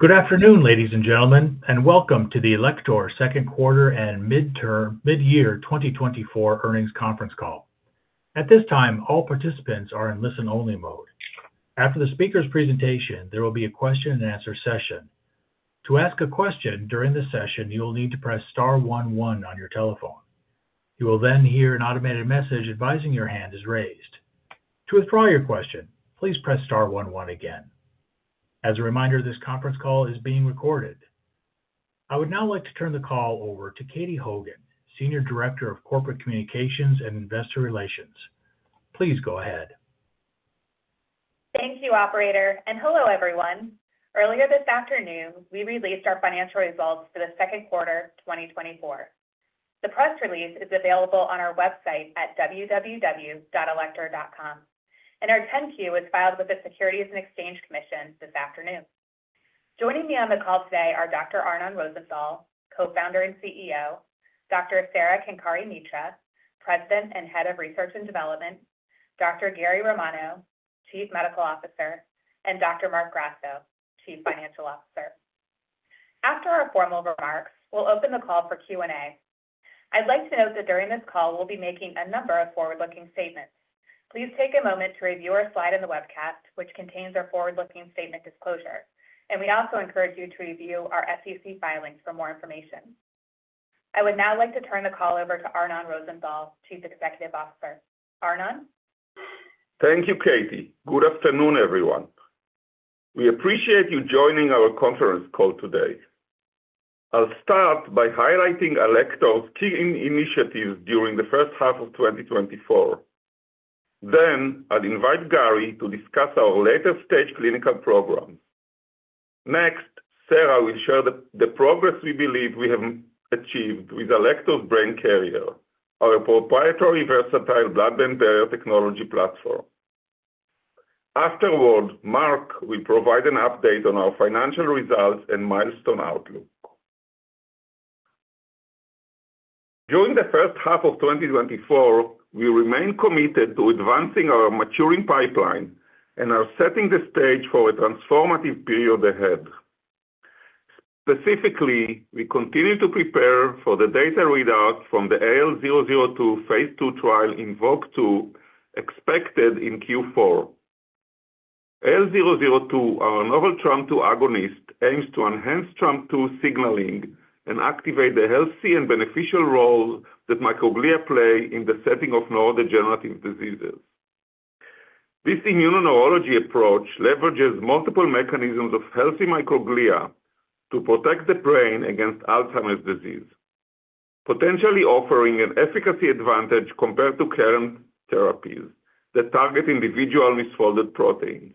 Good afternoon, ladies and gentlemen, and welcome to the Alector Second Quarter and Mid-Year 2024 Earnings Conference Call. At this time, all participants are in listen-only mode. After the speaker's presentation, there will be a question-and-answer session. To ask a question during the session, you will need to press star one one on your telephone. You will then hear an automated message advising your hand is raised. To withdraw your question, please press star one one again. As a reminder, this conference call is being recorded. I would now like to turn the call over to Katie Hogan, Senior Director of Corporate Communications and Investor Relations. Please go ahead. Thank you, Operator. And hello, everyone. Earlier this afternoon, we released our financial results for the second quarter 2024. The press release is available on our website at www.alector.com, and our 10-Q was filed with the Securities and Exchange Commission this afternoon. Joining me on the call today are Dr. Arnon Rosenthal, Co-founder and CEO; Dr. Sarah Kenkare-Mitra, President and Head of Research and Development; Dr. Gary Romano, Chief Medical Officer; and Dr. Marc Grasso, Chief Financial Officer. After our formal remarks, we'll open the call for Q&A. I'd like to note that during this call, we'll be making a number of forward-looking statements. Please take a moment to review our slide in the webcast, which contains our forward-looking statement disclosure, and we also encourage you to review our SEC filings for more information. I would now like to turn the call over to Arnon Rosenthal, Chief Executive Officer. Arnon? Thank you, Katie. Good afternoon, everyone. We appreciate you joining our conference call today. I'll start by highlighting Alector's key initiatives during the first half of 2024. Then, I'll invite Gary to discuss our later-stage clinical programs. Next, Sara will share the progress we believe we have achieved with Alector Brain Carrier, our proprietary versatile blood-brain barrier technology platform. Afterward, Marc will provide an update on our financial results and milestone outlook. During the first half of 2024, we remain committed to advancing our maturing pipeline and are setting the stage for a transformative period ahead. Specifically, we continue to prepare for the data readouts from the AL002 phase II trial in INVOKE-2, expected in Q4. AL002, our novel TREM2 agonist, aims to enhance TREM2 signaling and activate the healthy and beneficial roles that microglia play in the setting of neurodegenerative diseases. This immuno-neurology approach leverages multiple mechanisms of healthy microglia to protect the brain against Alzheimer's disease, potentially offering an efficacy advantage compared to current therapies that target individual misfolded proteins.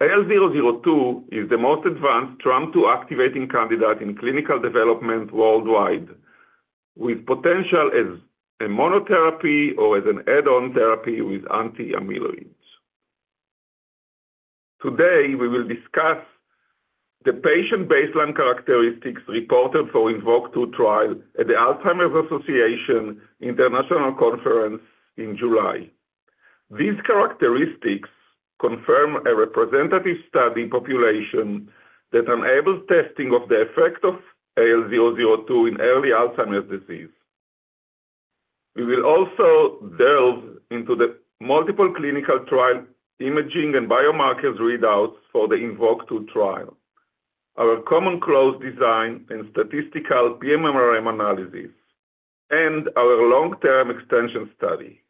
AL002 is the most advanced TREM2 activating candidate in clinical development worldwide, with potential as a monotherapy or as an add-on therapy with anti-amyloids. Today, we will discuss the patient baseline characteristics reported for the INVOKE-2 trial at the Alzheimer's Association International Conference in July. These characteristics confirm a representative study population that enables testing of the effect of AL002 in early Alzheimer's disease. We will also delve into the multiple clinical trial imaging and biomarkers readouts for the INVOKE-2 trial, our common close design and proportional MMRM analysis, and our long-term extension study,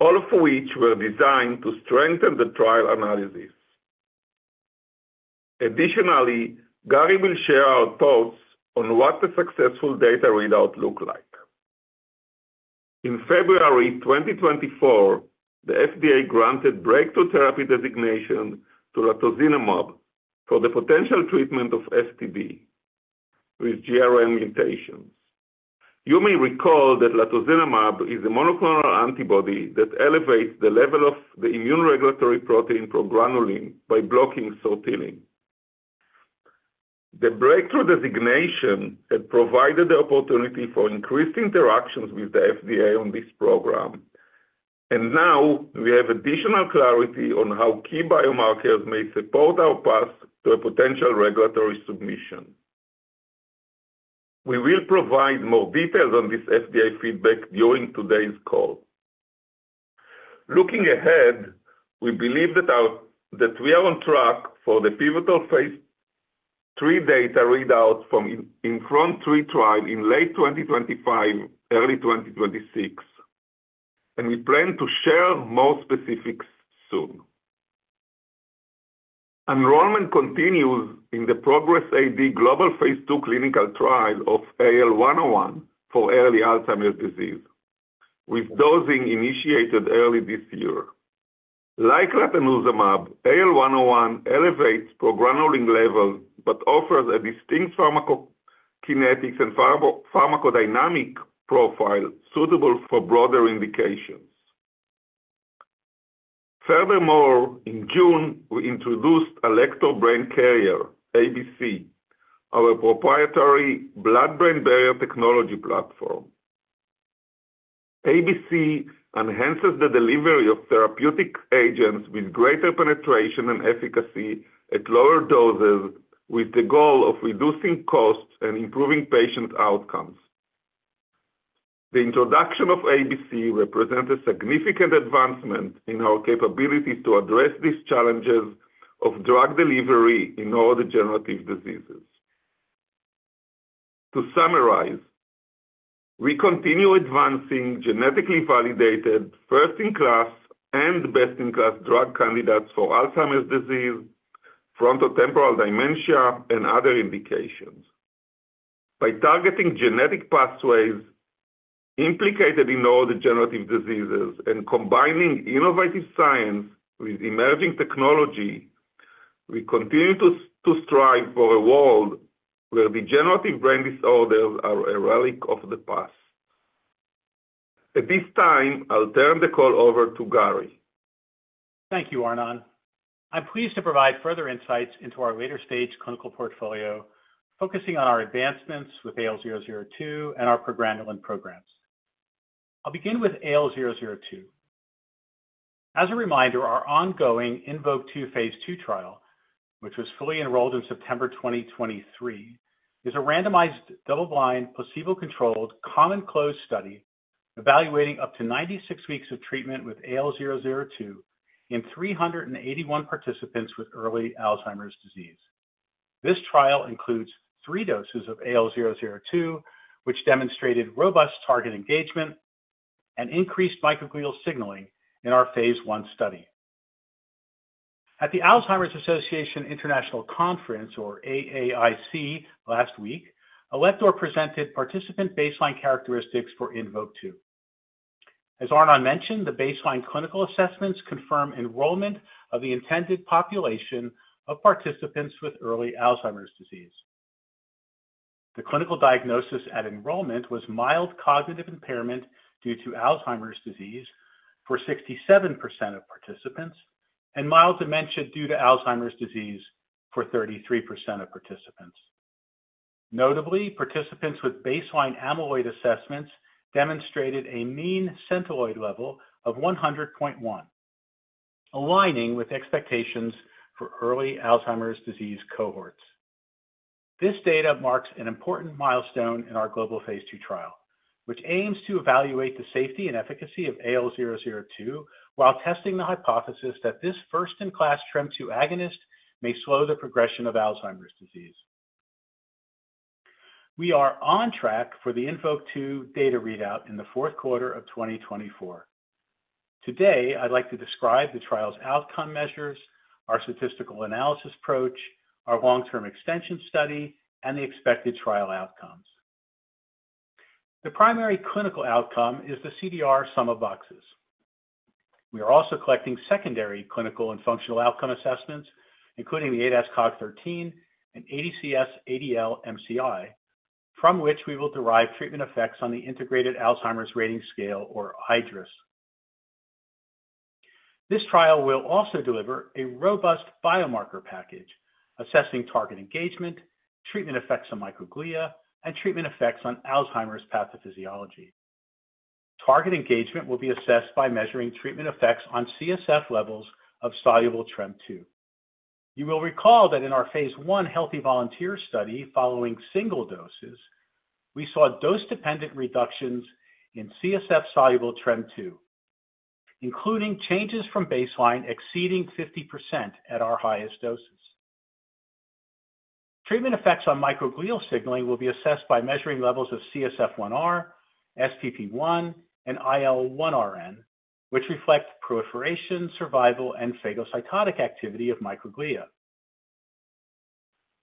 all of which were designed to strengthen the trial analysis. Additionally, Gary will share our thoughts on what the successful data readout looked like. In February 2024, the FDA granted breakthrough therapy designation to latozinemab for the potential treatment of FTD with GRN mutations. You may recall that latozinemab is a monoclonal antibody that elevates the level of the immune regulatory protein progranulin by blocking Sortilin. The breakthrough designation had provided the opportunity for increased interactions with the FDA on this program, and now we have additional clarity on how key biomarkers may support our path to a potential regulatory submission. We will provide more details on this FDA feedback during today's call. Looking ahead, we believe that we are on track for the pivotal phase III data readouts from the INFRONT-3 trial in late 2025, early 2026, and we plan to share more specifics soon. Enrollment continues in the PROGRESS-AD global phase II clinical trial of AL101 for early Alzheimer's disease, with dosing initiated early this year. Like latozinemab, AL101 elevates progranulin levels but offers a distinct pharmacokinetics and pharmacodynamic profile suitable for broader indications. Furthermore, in June, we introduced Alector Brain Carrier (ABC), our proprietary blood-brain barrier technology platform. ABC enhances the delivery of therapeutic agents with greater penetration and efficacy at lower doses, with the goal of reducing costs and improving patient outcomes. The introduction of ABC represents a significant advancement in our capabilities to address these challenges of drug delivery in neurodegenerative diseases. To summarize, we continue advancing genetically validated, first-in-class and best-in-class drug candidates for Alzheimer's disease, frontotemporal dementia, and other indications. By targeting genetic pathways implicated in neurodegenerative diseases and combining innovative science with emerging technology, we continue to strive for a world where degenerative brain disorders are a relic of the past. At this time, I'll turn the call over to Gary. Thank you, Arnon. I'm pleased to provide further insights into our later-stage clinical portfolio, focusing on our advancements with AL002 and our progranulin programs. I'll begin with AL002. As a reminder, our ongoing INVOKE-2 phase II trial, which was fully enrolled in September 2023, is a randomized, double-blind, placebo-controlled, common closed study evaluating up to 96 weeks of treatment with AL002 in 381 participants with early Alzheimer's disease. This trial includes three doses of AL002, which demonstrated robust target engagement and increased microglial signaling in our phase one study. At the Alzheimer's Association International Conference, or AAIC, last week, Alector presented participant baseline characteristics for INVOKE-2. As Arnon mentioned, the baseline clinical assessments confirm enrollment of the intended population of participants with early Alzheimer's disease. The clinical diagnosis at enrollment was mild cognitive impairment due to Alzheimer's disease for 67% of participants and mild dementia due to Alzheimer's disease for 33% of participants. Notably, participants with baseline amyloid assessments demonstrated a mean Centiloid level of 100.1, aligning with expectations for early Alzheimer's disease cohorts. This data marks an important milestone in our global phase II trial, which aims to evaluate the safety and efficacy of AL002 while testing the hypothesis that this first-in-class TREM2 agonist may slow the progression of Alzheimer's disease. We are on track for the INVOKE-2 data readout in the fourth quarter of 2024. Today, I'd like to describe the trial's outcome measures, our statistical analysis approach, our long-term extension study, and the expected trial outcomes. The primary clinical outcome is the CDR sum of boxes. We are also collecting secondary clinical and functional outcome assessments, including the ADAS-Cog13 and ADCS-ADL-MCI, from which we will derive treatment effects on the Integrated Alzheimer's Disease Rating Scale, or iADRS. This trial will also deliver a robust biomarker package assessing target engagement, treatment effects on microglia, and treatment effects on Alzheimer's pathophysiology. Target engagement will be assessed by measuring treatment effects on CSF levels of soluble TREM2. You will recall that in our phase I healthy volunteer study following single doses, we saw dose-dependent reductions in CSF soluble TREM2, including changes from baseline exceeding 50% at our highest doses. Treatment effects on microglial signaling will be assessed by measuring levels of CSF1R, SPP1, and IL1RN, which reflect proliferation, survival, and phagocytotic activity of microglia.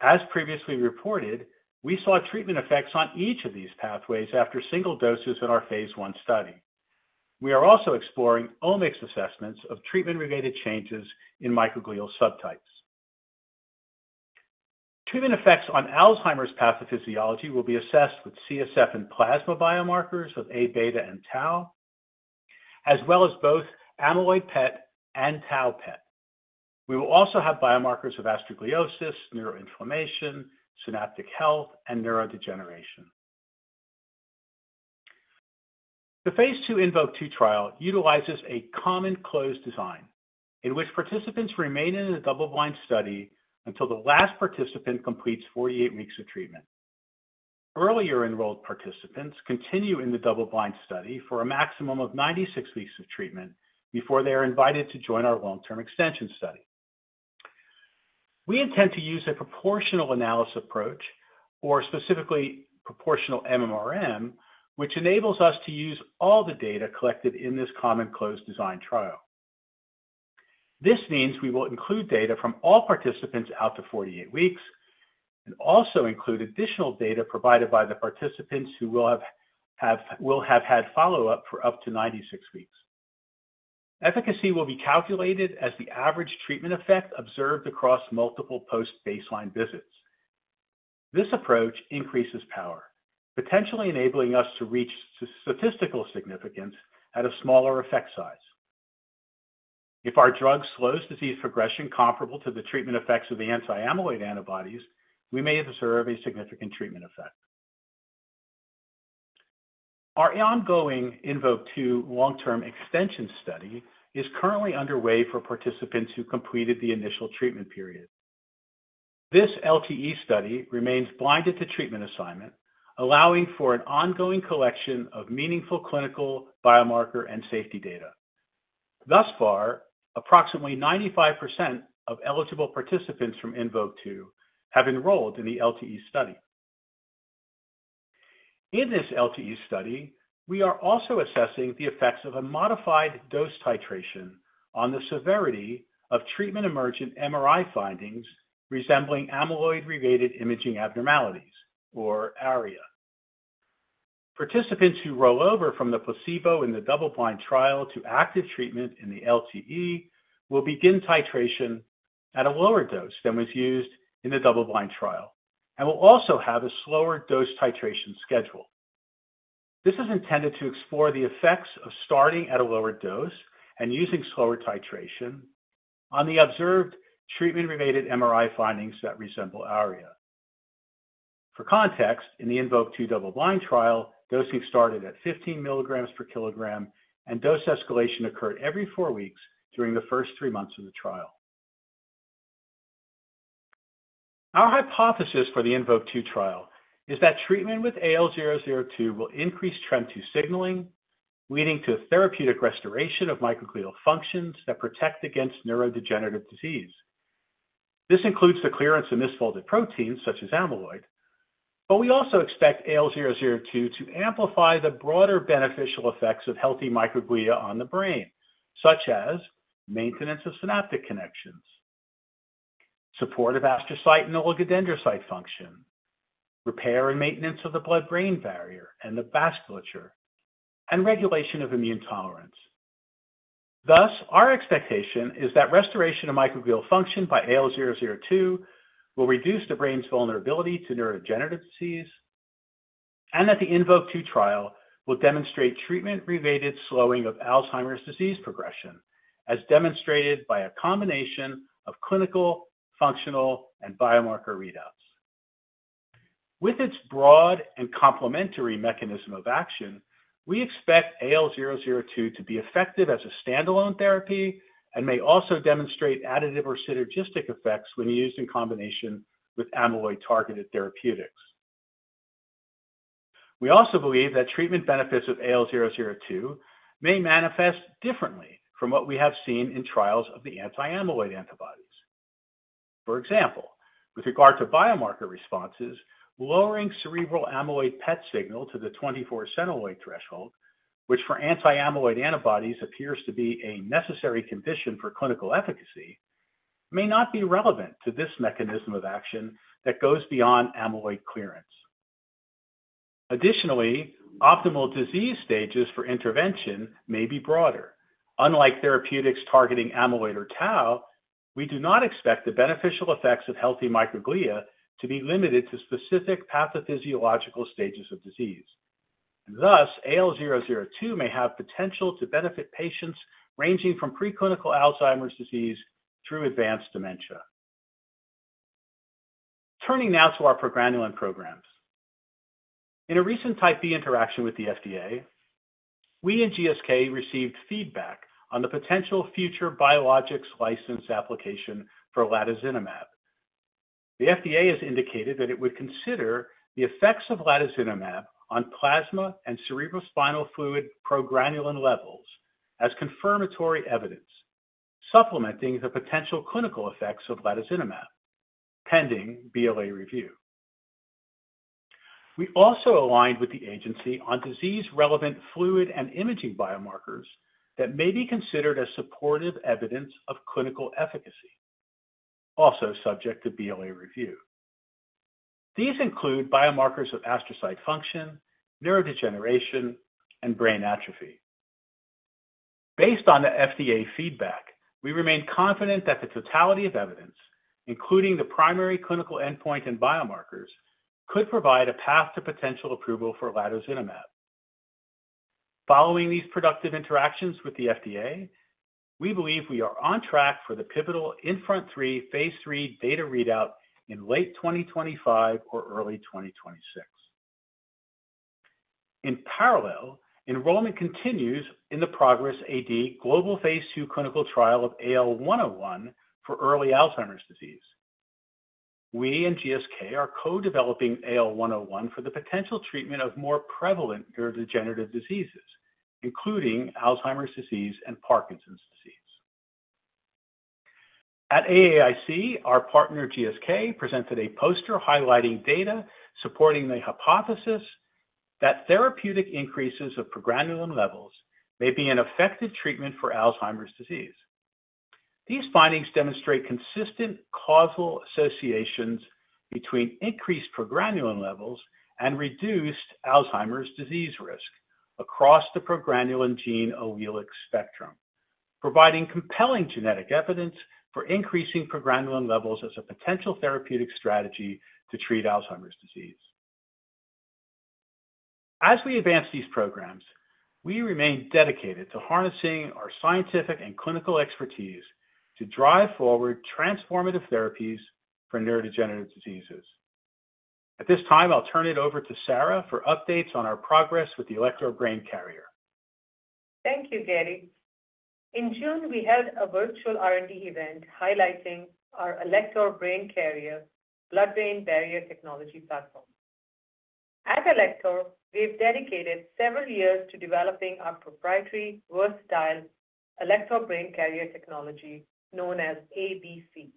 As previously reported, we saw treatment effects on each of these pathways after single doses in our phase I study. We are also exploring omics assessments of treatment-related changes in microglial subtypes. Treatment effects on Alzheimer's pathophysiology will be assessed with CSF and plasma biomarkers of A beta and tau, as well as both amyloid PET and tau PET. We will also have biomarkers of astrogliosis, neuroinflammation, synaptic health, and neurodegeneration. The phase II INVOKE-2 trial utilizes a common close design in which participants remain in a double-blind study until the last participant completes 48 weeks of treatment. Earlier enrolled participants continue in the double-blind study for a maximum of 96 weeks of treatment before they are invited to join our long-term extension study. We intend to use a proportional analysis approach, or specifically proportional MMRM, which enables us to use all the data collected in this common close design trial. This means we will include data from all participants out to 48 weeks and also include additional data provided by the participants who will have had follow-up for up to 96 weeks. Efficacy will be calculated as the average treatment effect observed across multiple post-baseline visits. This approach increases power, potentially enabling us to reach statistical significance at a smaller effect size. If our drug slows disease progression comparable to the treatment effects of the anti-amyloid antibodies, we may observe a significant treatment effect. Our ongoing INVOKE-2 long-term extension study is currently underway for participants who completed the initial treatment period. This LTE study remains blinded to treatment assignment, allowing for an ongoing collection of meaningful clinical biomarker and safety data. Thus far, approximately 95% of eligible participants from INVOKE-2 have enrolled in the LTE study. In this LTE study, we are also assessing the effects of a modified dose titration on the severity of treatment-emergent MRI findings resembling amyloid-related imaging abnormalities, or ARIA. Participants who roll over from the placebo in the double-blind trial to active treatment in the LTE will begin titration at a lower dose than was used in the double-blind trial and will also have a slower dose titration schedule. This is intended to explore the effects of starting at a lower dose and using slower titration on the observed treatment-related MRI findings that resemble ARIA. For context, in the INVOKE-2 double-blind trial, dosing started at 15 mg per kg, and dose escalation occurred every four weeks during the first three months of the trial. Our hypothesis for the INVOKE-2 trial is that treatment with AL002 will increase TREM2 signaling, leading to therapeutic restoration of microglial functions that protect against neurodegenerative disease. This includes the clearance of misfolded proteins such as amyloid, but we also expect AL002 to amplify the broader beneficial effects of healthy microglia on the brain, such as maintenance of synaptic connections, support of astrocytes and oligodendrocyte function, repair and maintenance of the blood-brain barrier and the vasculature, and regulation of immune tolerance. Thus, our expectation is that restoration of microglial function by AL002 will reduce the brain's vulnerability to neurodegenerative disease and that the INVOKE-2 trial will demonstrate treatment-related slowing of Alzheimer's disease progression, as demonstrated by a combination of clinical, functional, and biomarker readouts. With its broad and complementary mechanism of action, we expect AL002 to be effective as a standalone therapy and may also demonstrate additive or synergistic effects when used in combination with amyloid-targeted therapeutics. We also believe that treatment benefits of AL002 may manifest differently from what we have seen in trials of the anti-amyloid antibodies. For example, with regard to biomarker responses, lowering cerebral amyloid PET signal to the 24 Centiloid threshold, which for anti-amyloid antibodies appears to be a necessary condition for clinical efficacy, may not be relevant to this mechanism of action that goes beyond amyloid clearance. Additionally, optimal disease stages for intervention may be broader. Unlike therapeutics targeting amyloid or tau, we do not expect the beneficial effects of healthy microglia to be limited to specific pathophysiological stages of disease. Thus, AL002 may have potential to benefit patients ranging from pre-clinical Alzheimer's disease through advanced dementia. Turning now to our progranulin programs. In a recent type B interaction with the FDA, we and GSK received feedback on the potential future biologics license application for latozinemab. The FDA has indicated that it would consider the effects of latozinemab on plasma and cerebrospinal fluid progranulin levels as confirmatory evidence, supplementing the potential clinical effects of latozinemab, pending BLA review. We also aligned with the agency on disease-relevant fluid and imaging biomarkers that may be considered as supportive evidence of clinical efficacy, also subject to BLA review. These include biomarkers of astrocyte function, neurodegeneration, and brain atrophy. Based on the FDA feedback, we remain confident that the totality of evidence, including the primary clinical endpoint and biomarkers, could provide a path to potential approval for latozinemab. Following these productive interactions with the FDA, we believe we are on track for the pivotal INFRONT-3 phase III data readout in late 2025 or early 2026. In parallel, enrollment continues in the PROGRESS-AD global phase II clinical trial of AL101 for early Alzheimer's disease. We and GSK are co-developing AL101 for the potential treatment of more prevalent neurodegenerative diseases, including Alzheimer's disease and Parkinson's disease. At AAIC, our partner GSK presented a poster highlighting data supporting the hypothesis that therapeutic increases of progranulin levels may be an effective treatment for Alzheimer's disease. These findings demonstrate consistent causal associations between increased progranulin levels and reduced Alzheimer's disease risk across the progranulin gene allelic spectrum, providing compelling genetic evidence for increasing progranulin levels as a potential therapeutic strategy to treat Alzheimer's disease. As we advance these programs, we remain dedicated to harnessing our scientific and clinical expertise to drive forward transformative therapies for neurodegenerative diseases. At this time, I'll turn it over to Sara for updates on our progress with the Alector Brain Carrier. Thank you, Gary. In June, we held a virtual R&D event highlighting our Alector Brain Carrier blood-brain barrier technology platform. At Alector, we've dedicated several years to developing our proprietary versatile Alector Brain Carrier technology known as ABC.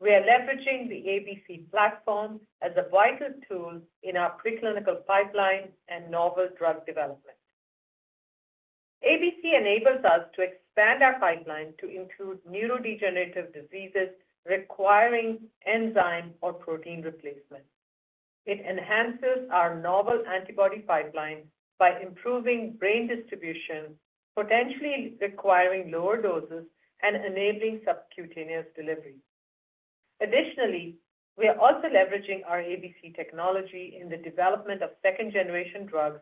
We are leveraging the ABC platform as a vital tool in our pre-clinical pipeline and novel drug development. ABC enables us to expand our pipeline to include neurodegenerative diseases requiring enzyme or protein replacement. It enhances our novel antibody pipeline by improving brain distribution, potentially requiring lower doses and enabling subcutaneous delivery. Additionally, we are also leveraging our ABC technology in the development of second-generation drugs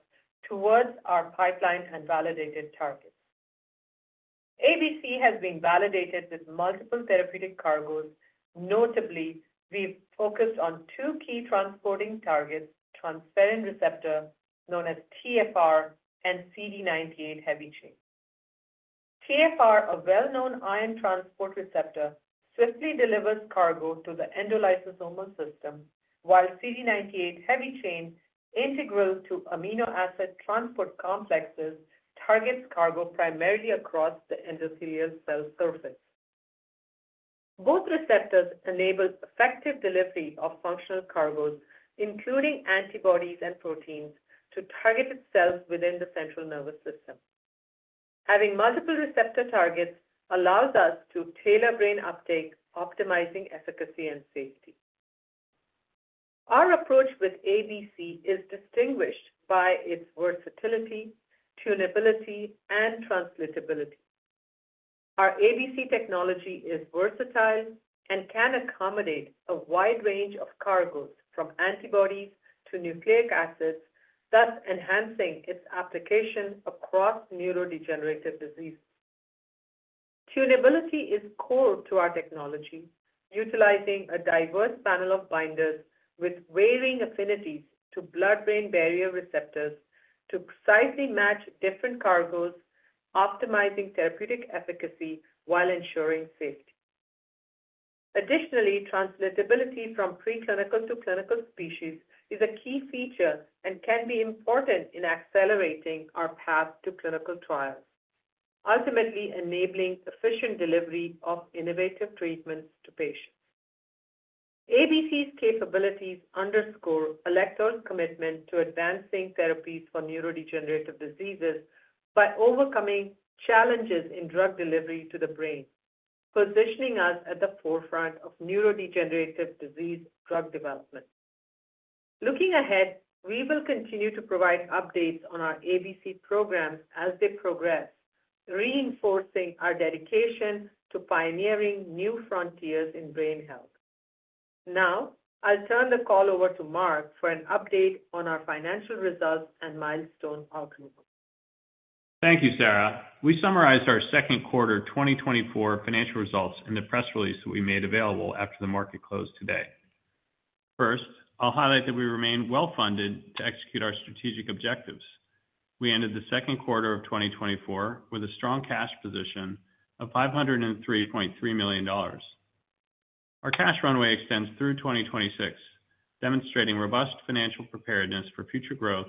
towards our pipeline and validated targets. ABC has been validated with multiple therapeutic cargoes. Notably, we've focused on two key transporting targets: transferrin receptor known as TfR and CD98 heavy chain. TfR, a well-known iron transport receptor, swiftly delivers cargo to the endolysosomal system, while CD98 heavy chain, integral to amino acid transport complexes, targets cargo primarily across the endothelial cell surface. Both receptors enable effective delivery of functional cargoes, including antibodies and proteins, to targeted cells within the central nervous system. Having multiple receptor targets allows us to tailor brain uptake, optimizing efficacy and safety. Our approach with ABC is distinguished by its versatility, tunability, and translatability. Our ABC technology is versatile and can accommodate a wide range of cargoes, from antibodies to nucleic acids, thus enhancing its application across neurodegenerative diseases. Tunability is core to our technology, utilizing a diverse panel of binders with varying affinities to blood-brain barrier receptors to precisely match different cargoes, optimizing therapeutic efficacy while ensuring safety. Additionally, translatability from pre-clinical to clinical species is a key feature and can be important in accelerating our path to clinical trials, ultimately enabling efficient delivery of innovative treatments to patients. ABC's capabilities underscore Alector's commitment to advancing therapies for neurodegenerative diseases by overcoming challenges in drug delivery to the brain, positioning us at the forefront of neurodegenerative disease drug development. Looking ahead, we will continue to provide updates on our ABC programs as they progress, reinforcing our dedication to pioneering new frontiers in brain health. Now, I'll turn the call over to Marc for an update on our financial results and milestone outlook. Thank you, Sara. We summarized our second quarter 2024 financial results in the press release that we made available after the market closed today. First, I'll highlight that we remain well-funded to execute our strategic objectives. We ended the second quarter of 2024 with a strong cash position of $503.3 million. Our cash runway extends through 2026, demonstrating robust financial preparedness for future growth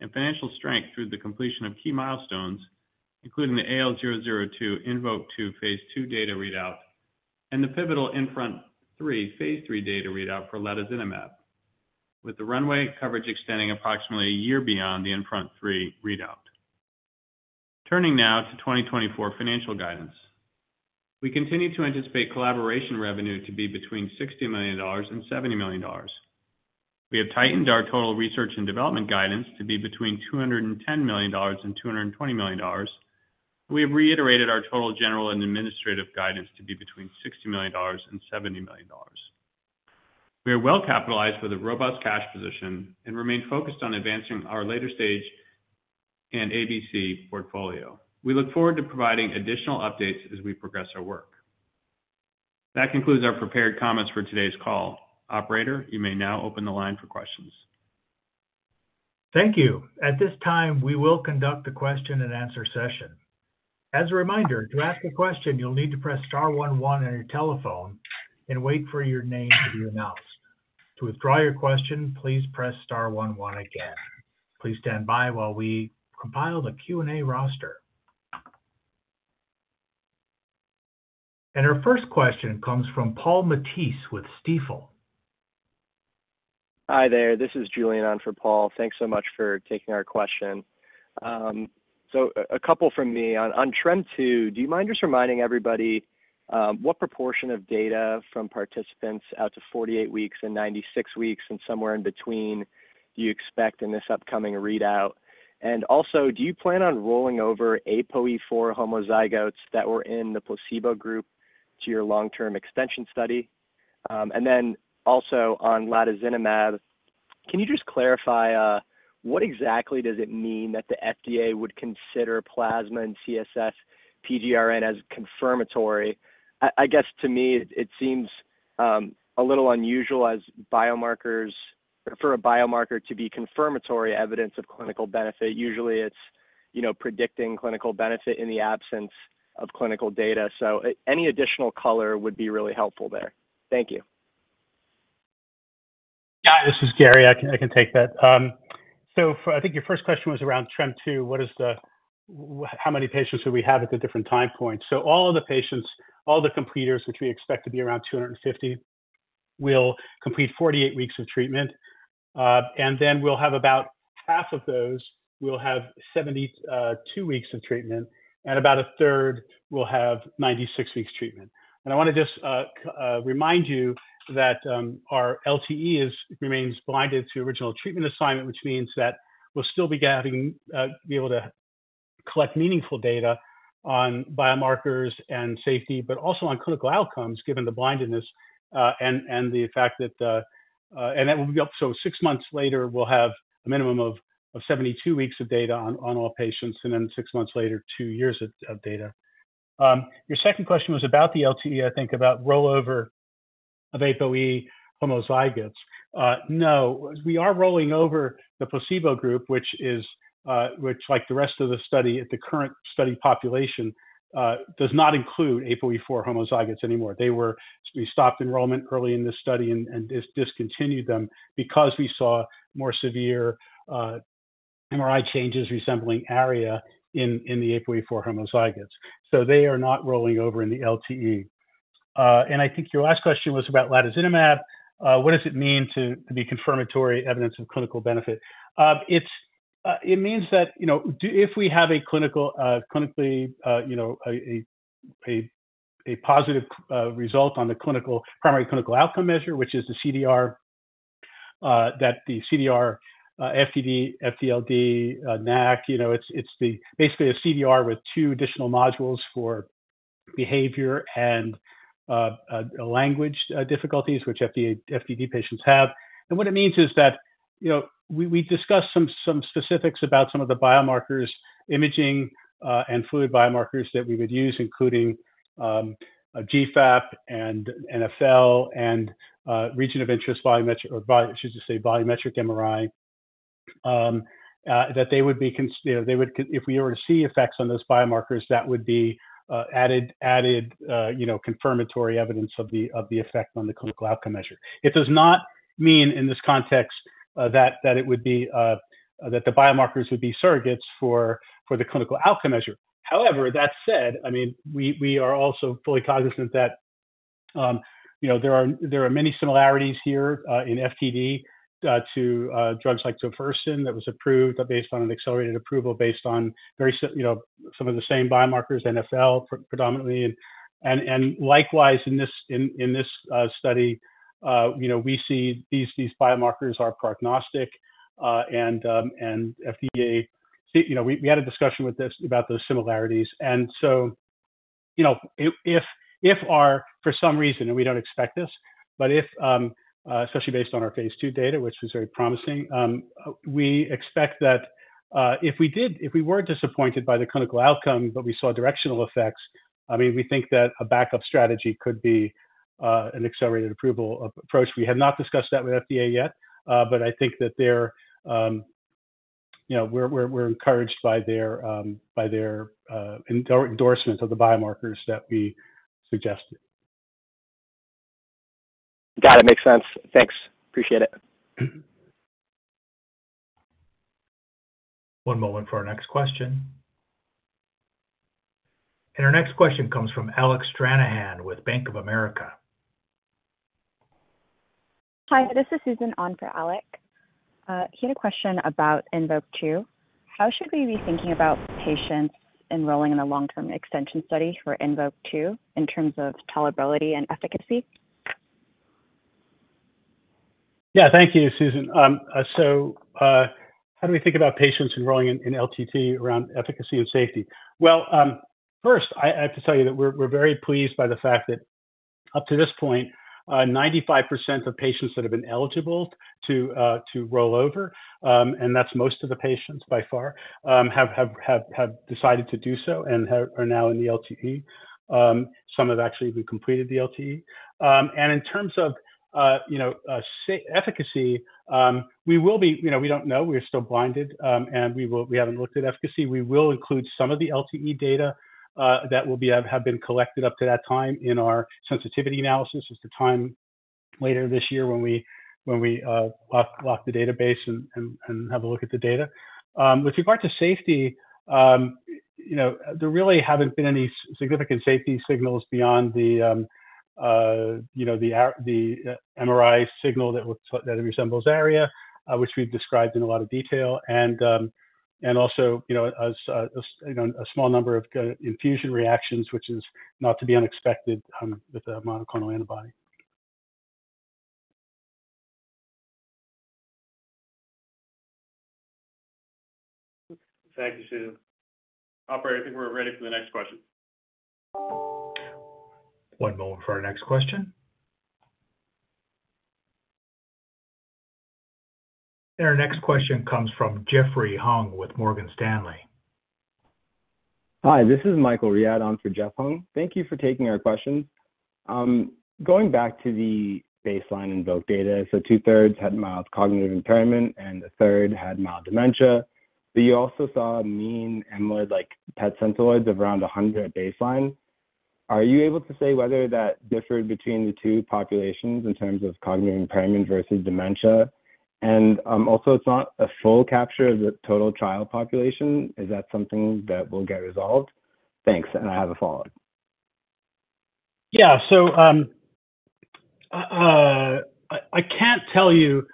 and financial strength through the completion of key milestones, including the AL002 INVOKE-2 phase II data readout and the pivotal INFRONT-3 phase III data readout for latozinemab, with the runway coverage extending approximately a year beyond the INFRONT-3 readout. Turning now to 2024 financial guidance. We continue to anticipate collaboration revenue to be between $60 million and $70 million. We have tightened our total research and development guidance to be between $210 million and $220 million. We have reiterated our total general and administrative guidance to be between $60 million and $70 million. We are well-capitalized with a robust cash position and remain focused on advancing our later stage and ABC portfolio. We look forward to providing additional updates as we progress our work. That concludes our prepared comments for today's call. Operator, you may now open the line for questions. Thank you. At this time, we will conduct the question-and-answer session. As a reminder, to ask a question, you'll need to press star 11 on your telephone and wait for your name to be announced. To withdraw your question, please press star 11 again. Please stand by while we compile the Q&A roster. Our first question comes from Paul Matteis with Stifel. Hi there. This is Julian on for Paul. Thanks so much for taking our question. So a couple from me on TREM2. Do you mind just reminding everybody what proportion of data from participants out to 48 weeks and 96 weeks and somewhere in between do you expect in this upcoming readout? And also, do you plan on rolling over APOE4 homozygotes that were in the placebo group to your long-term extension study? And then also on latozinemab, can you just clarify what exactly does it mean that the FDA would consider plasma and CSF PGRN as confirmatory? I guess to me, it seems a little unusual for a biomarker to be confirmatory evidence of clinical benefit. Usually, it's predicting clinical benefit in the absence of clinical data. So any additional color would be really helpful there. Thank you. Hi, this is Gary. I can take that. So I think your first question was around TREM2. How many patients do we have at the different time points? So all of the patients, all the completers, which we expect to be around 250, will complete 48 weeks of treatment. And then we'll have about half of those will have 72 weeks of treatment, and about a third will have 96 weeks of treatment. I want to just remind you that our LTE remains blinded to original treatment assignment, which means that we'll still be able to collect meaningful data on biomarkers and safety, but also on clinical outcomes given the blindedness and the fact that that will be up. So six months later, we'll have a minimum of 72 weeks of data on all patients, and then six months later, two years of data. Your second question was about the LTE, I think, about rollover of APOE homozygotes. No. We are rolling over the placebo group, which, like the rest of the study, the current study population does not include APOE4 homozygotes anymore. We stopped enrollment early in this study and discontinued them because we saw more severe MRI changes resembling ARIA in the APOE4 homozygotes. So they are not rolling over in the LTE. I think your last question was about latozinemab. What does it mean to be confirmatory evidence of clinical benefit? It means that if we have a clinically positive result on the primary clinical outcome measure, which is the CDR, that the CDR, FTD, FTLD, NACC, it's basically a CDR with two additional modules for behavior and language difficulties, which FTD patients have. And what it means is that we discussed some specifics about some of the biomarkers, imaging, and fluid biomarkers that we would use, including GFAP and NfL and region of interest, I should just say, volumetric MRI, that they would be—if we were to see effects on those biomarkers, that would be added confirmatory evidence of the effect on the clinical outcome measure. It does not mean, in this context, that it would be that the biomarkers would be surrogates for the clinical outcome measure. However, that said, I mean, we are also fully cognizant that there are many similarities here in FTD to drugs like tofersen that was approved based on an accelerated approval based on some of the same biomarkers, NFL predominantly. And likewise, in this study, we see these biomarkers are prognostic and FDA. We had a discussion about those similarities. And so if our, for some reason, and we don't expect this, but especially based on our phase II data, which was very promising, we expect that if we were disappointed by the clinical outcome, but we saw directional effects, I mean, we think that a backup strategy could be an accelerated approach. We have not discussed that with FDA yet, but I think that we're encouraged by their endorsement of the biomarkers that we suggested. Got it. Makes sense. Thanks. Appreciate it. One moment for our next question. And our next question comes from Alec Stranahan with Bank of America. Hi, this is Susan on for Alec. He had a question about INVOKE-2. How should we be thinking about patients enrolling in a long-term extension study for INVOKE-2 in terms of tolerability and efficacy? Yeah, thank you, Susan. So how do we think about patients enrolling in LTE around efficacy and safety? Well, first, I have to tell you that we're very pleased by the fact that up to this point, 95% of patients that have been eligible to roll over, and that's most of the patients by far, have decided to do so and are now in the LTE. Some have actually even completed the LTE. And in terms of efficacy, we will be—we don't know. We're still blinded, and we haven't looked at efficacy. We will include some of the LTE data that have been collected up to that time in our sensitivity analysis at the time later this year when we lock the database and have a look at the data. With regard to safety, there really haven't been any significant safety signals beyond the MRI signal that resembles ARIA, which we've described in a lot of detail, and also a small number of infusion reactions, which is not to be unexpected with a monoclonal antibody. Thank you, Susan. Operator, I think we're ready for the next question. One moment for our next question. And our next question comes from Jeffrey Hung with Morgan Stanley. Hi, this is Michael Riad on for Jeff Hung. Thank you for taking our questions. Going back to the baseline INVOKE-2 data, so two-thirds had mild cognitive impairment and a third had mild dementia. But you also saw mean amyloid-like PET Centiloid of around 100 at baseline. Are you able to say whether that differed between the two populations in terms of cognitive impairment versus dementia? And also, it's not a full capture of the total trial population. Is that something that will get resolved? Thanks. And I have a follow-up. Yeah. So I can't tell you.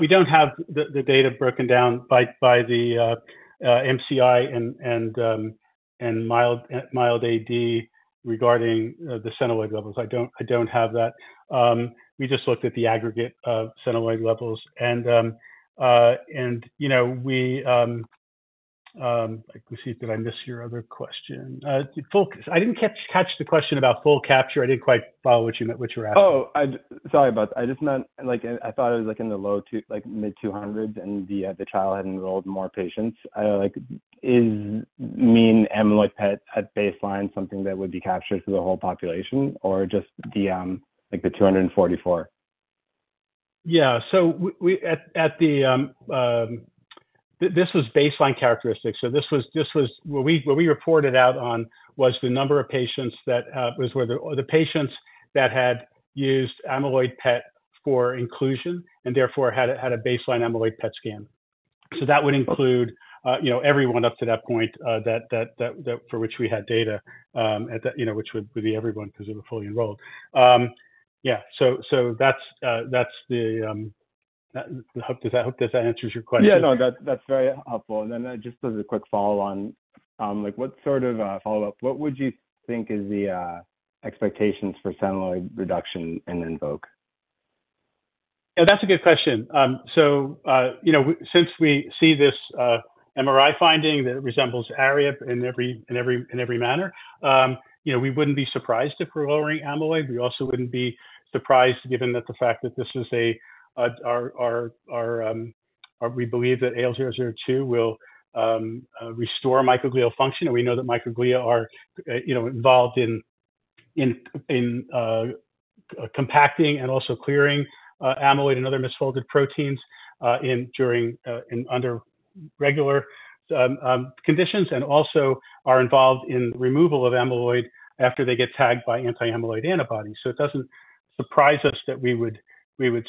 We don't have the data broken down by the MCI and mild AD regarding the Centiloid levels. I don't have that. We just looked at the aggregate Centiloid levels. And did I miss your other question? I didn't catch the question about full capture. I didn't quite follow what you were asking. Oh, sorry about that. I thought it was in the mid-200s, and the trial had enrolled more patients. Is mean amyloid PET at baseline something that would be captured for the whole population, or just the 244? Yeah. So this was baseline characteristics. So what we reported out on was the number of patients that was where the patients that had used amyloid PET for inclusion and therefore had a baseline amyloid PET scan. So that would include everyone up to that point for which we had data, which would be everyone because they were fully enrolled. Yeah. So that's the—does that answer your question? Yeah. No, that's very helpful. And then just as a quick follow-on, what sort of follow-up? What would you think is the expectations for Centiloid reduction in INVOKE? Yeah, that's a good question. So since we see this MRI finding that resembles ARIA in every manner, we wouldn't be surprised if we're lowering amyloid. We also wouldn't be surprised given the fact that this is a—we believe that AL002 will restore microglial function. We know that microglia are involved in compacting and also clearing amyloid and other misfolded proteins during and under regular conditions and also are involved in the removal of amyloid after they get tagged by anti-amyloid antibodies. It doesn't surprise us that we would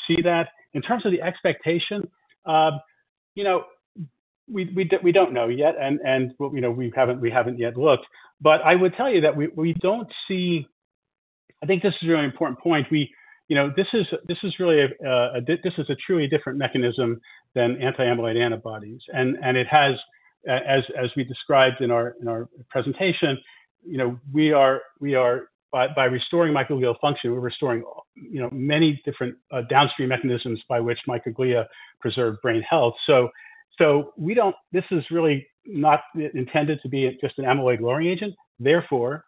see that. In terms of the expectation, we don't know yet, and we haven't yet looked. I would tell you that we don't see—I think this is a really important point. This is really a—this is a truly different mechanism than anti-amyloid antibodies. It has, as we described in our presentation, by restoring microglial function, we're restoring many different downstream mechanisms by which microglia preserve brain health. This is really not intended to be just an amyloid-lowering agent. Therefore,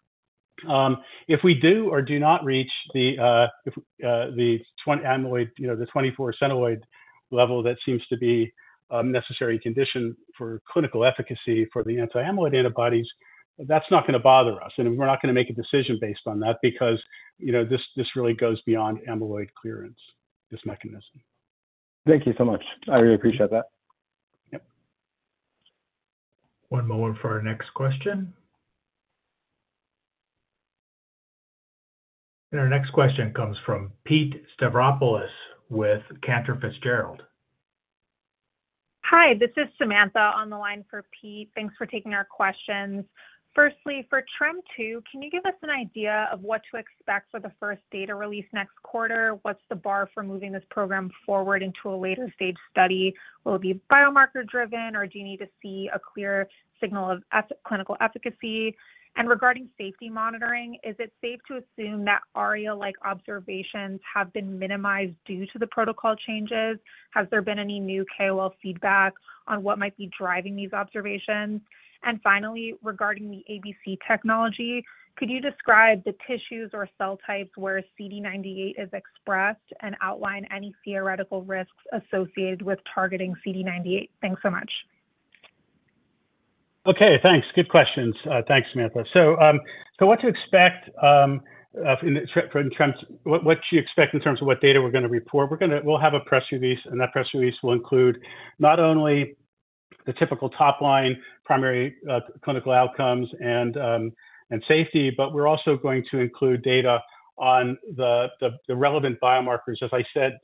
if we do or do not reach the 24 Centiloid level that seems to be a necessary condition for clinical efficacy for the anti-amyloid antibodies, that's not going to bother us. We're not going to make a decision based on that because this really goes beyond amyloid clearance, this mechanism. Thank you so much. I really appreciate that. Yep. One moment for our next question. Our next question comes from Pete Stavropoulos with Cantor Fitzgerald. Hi, this is Samantha on the line for Pete. Thanks for taking our questions. Firstly, for TREM2, can you give us an idea of what to expect for the first data release next quarter? What's the bar for moving this program forward into a later-stage study? Will it be biomarker-driven, or do you need to see a clear signal of clinical efficacy? Regarding safety monitoring, is it safe to assume that ARIA-like observations have been minimized due to the protocol changes? Has there been any new KOL feedback on what might be driving these observations? And finally, regarding the ABC technology, could you describe the tissues or cell types where CD98 is expressed and outline any theoretical risks associated with targeting CD98? Thanks so much. Okay. Thanks. Good questions. Thanks, Samantha. So what to expect in terms of what do you expect in terms of what data we're going to report? We'll have a press release, and that press release will include not only the typical top-line primary clinical outcomes and safety, but we're also going to include data on the relevant biomarkers. As I said,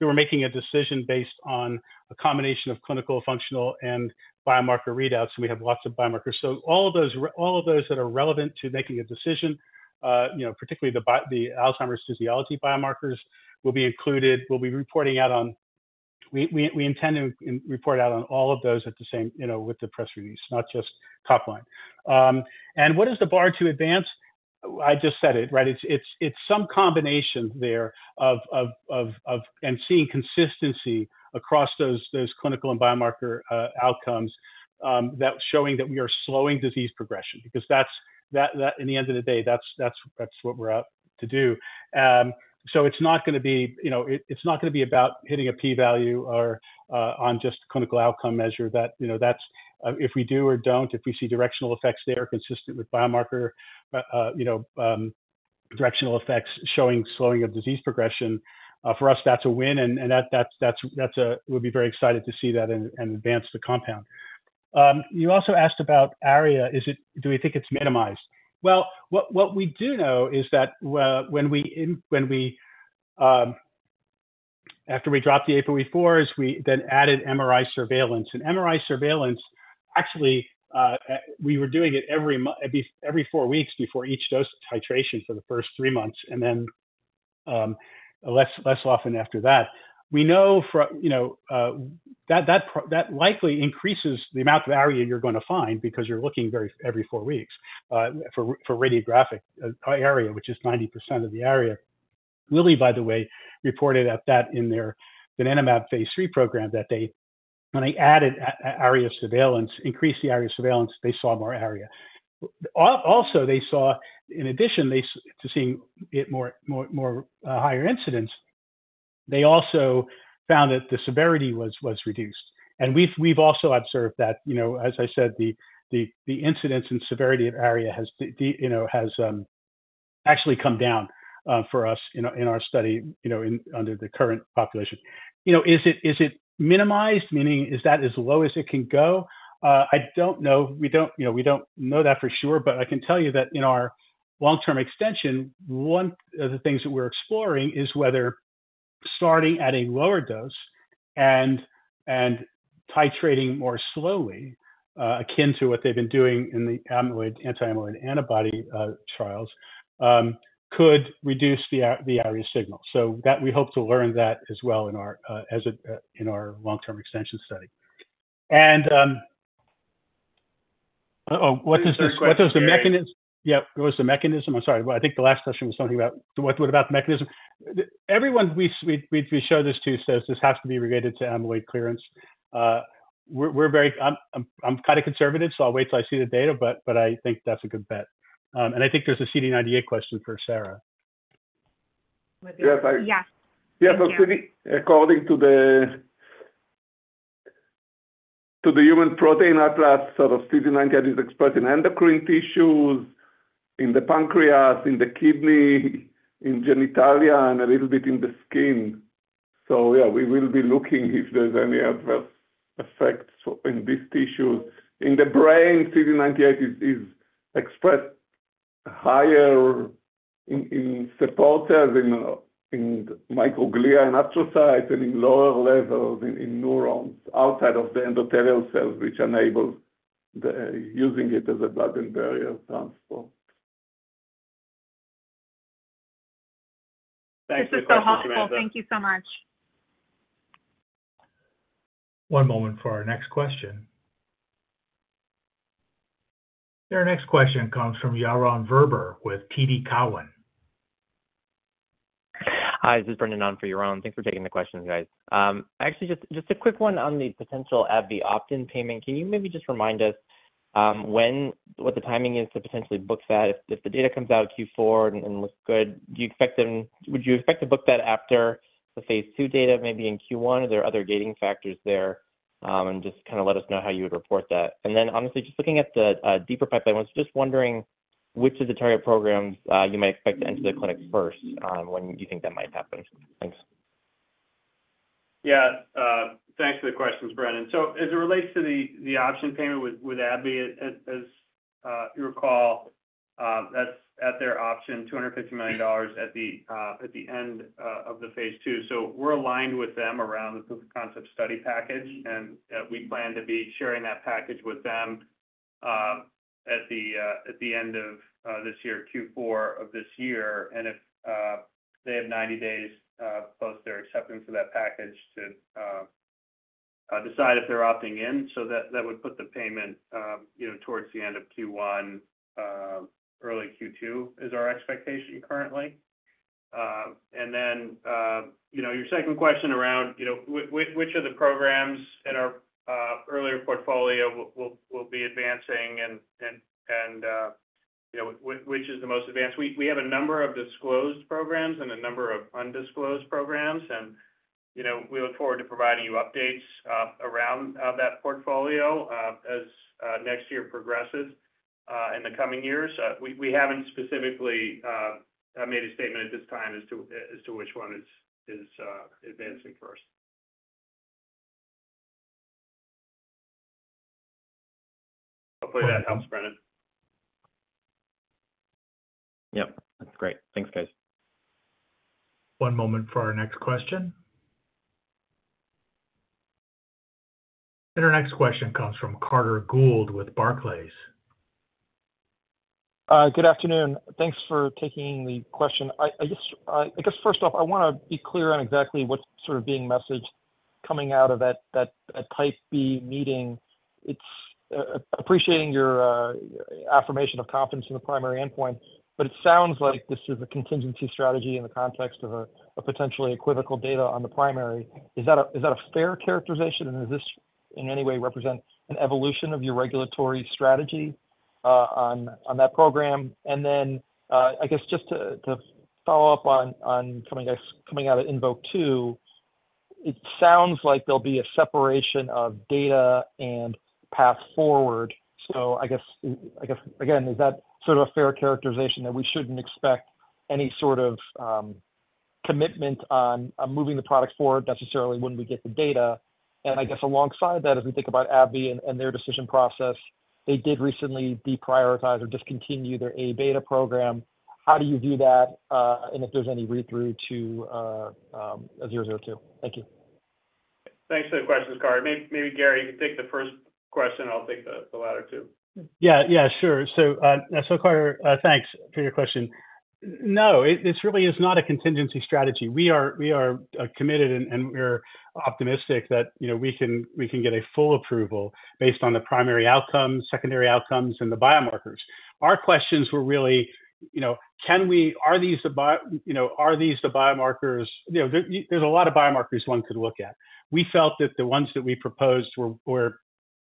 we were making a decision based on a combination of clinical, functional, and biomarker readouts, and we have lots of biomarkers. So all of those that are relevant to making a decision, particularly the Alzheimer's physiological biomarkers, will be reporting out on. We intend to report out on all of those at the same with the press release, not just top-line. And what is the bar to advance? I just said it, right? It's some combination there of, and seeing consistency across those clinical and biomarker outcomes that's showing that we are slowing disease progression because in the end of the day, that's what we're out to do. So it's not going to be, it's not going to be about hitting a P-value or on just clinical outcome measure. If we do or don't, if we see directional effects there consistent with biomarker directional effects showing slowing of disease progression, for us, that's a win. And we'd be very excited to see that and advance the compound. You also asked about ARIA. Do we think it's minimized? Well, what we do know is that after we dropped the APOE4s, we then added MRI surveillance. And MRI surveillance, actually, we were doing it every four weeks before each dose of titration for the first three months and then less often after that. We know that likely increases the amount of ARIA you're going to find because you're looking every four weeks for radiographic ARIA, which is 90% of the ARIA. Lilly, by the way, reported that in their donanemab phase III program that they added ARIA surveillance, increased the ARIA surveillance, they saw more ARIA. Also, in addition to seeing more higher incidence, they also found that the severity was reduced. And we've also observed that, as I said, the incidence and severity of ARIA has actually come down for us in our study under the current population. Is it minimized? Meaning, is that as low as it can go? I don't know. We don't know that for sure. But I can tell you that in our long-term extension, one of the things that we're exploring is whether starting at a lower dose and titrating more slowly, akin to what they've been doing in the anti-amyloid antibody trials, could reduce the ARIA signal. So we hope to learn that as well in our long-term extension study. And what does the mechanism, yeah, what was the mechanism? I'm sorry. I think the last question was something about what about the mechanism? Everyone we show this to says this has to be related to amyloid clearance. I'm kind of conservative, so I'll wait till I see the data, but I think that's a good bet. And I think there's a CD98 question for Sarah. Yeah. So according to the human protein atlas, sort of CD98 is expressed in endocrine tissues, in the pancreas, in the kidney, in genitalia, and a little bit in the skin. So yeah, we will be looking if there's any adverse effects in these tissues. In the brain, CD98 is expressed higher in support cells in microglia and astrocytes and in lower levels in neurons outside of the endothelial cells, which enables using it as a blood-brain barrier transport. Thank you. This is so helpful. Thank you so much. One moment for our next question. Our next question comes from Yaron Werber with TD Cowen. Hi. This is Brendan Smith for Yaron. Thanks for taking the question, guys. Actually, just a quick one on the potential AbbVie opt-in payment. Can you maybe just remind us what the timing is to potentially book that? If the data comes out Q4 and looks good, would you expect to book that after the phase II data, maybe in Q1? Are there other gating factors there? And just kind of let us know how you would report that. And then, honestly, just looking at the deeper pipeline, I was just wondering which of the target programs you might expect to enter the clinic first when you think that might happen. Thanks. Yeah. Thanks for the questions, Brendan. So as it relates to the option payment with AbbVie, as you recall, that's at their option, $250 million at the end of the phase II. So we're aligned with them around the proof of concept study package. And we plan to be sharing that package with them at the end of this year, Q4 of this year. And if they have 90 days post their acceptance of that package to decide if they're opting in, so that would put the payment towards the end of Q1, early Q2 is our expectation currently. And then your second question around which of the programs in our earlier portfolio will be advancing and which is the most advanced? We have a number of disclosed programs and a number of undisclosed programs. And we look forward to providing you updates around that portfolio as next year progresses in the coming years. We haven't specifically made a statement at this time as to which one is advancing first. Hopefully, that helps, Brendan. Yep. That's great. Thanks, guys. One moment for our next question. And our next question comes from Carter Gould with Barclays. Good afternoon. Thanks for taking the question. I guess, first off, I want to be clear on exactly what's sort of being messaged coming out of that type B meeting. Appreciating your affirmation of confidence in the primary endpoint, but it sounds like this is a contingency strategy in the context of a potentially equivocal data on the primary. Is that a fair characterization? And does this in any way represent an evolution of your regulatory strategy on that program? And then, I guess, just to follow up on coming out of INVOKE-2, it sounds like there'll be a separation of data and path forward. So I guess, again, is that sort of a fair characterization that we shouldn't expect any sort of commitment on moving the product forward necessarily when we get the data? I guess alongside that, as we think about AbbVie and their decision process, they did recently deprioritize or discontinue their A beta program. How do you view that? And if there's any read-through to 002? Thank you. Thanks for the questions, Carter. Maybe Gary, you can take the first question. I'll take the latter two. Yeah. Yeah. Sure. So, Carter, thanks for your question. No, it really is not a contingency strategy. We are committed, and we're optimistic that we can get a full approval based on the primary outcomes, secondary outcomes, and the biomarkers. Our questions were really, are these the biomarkers? There's a lot of biomarkers one could look at. We felt that the ones that we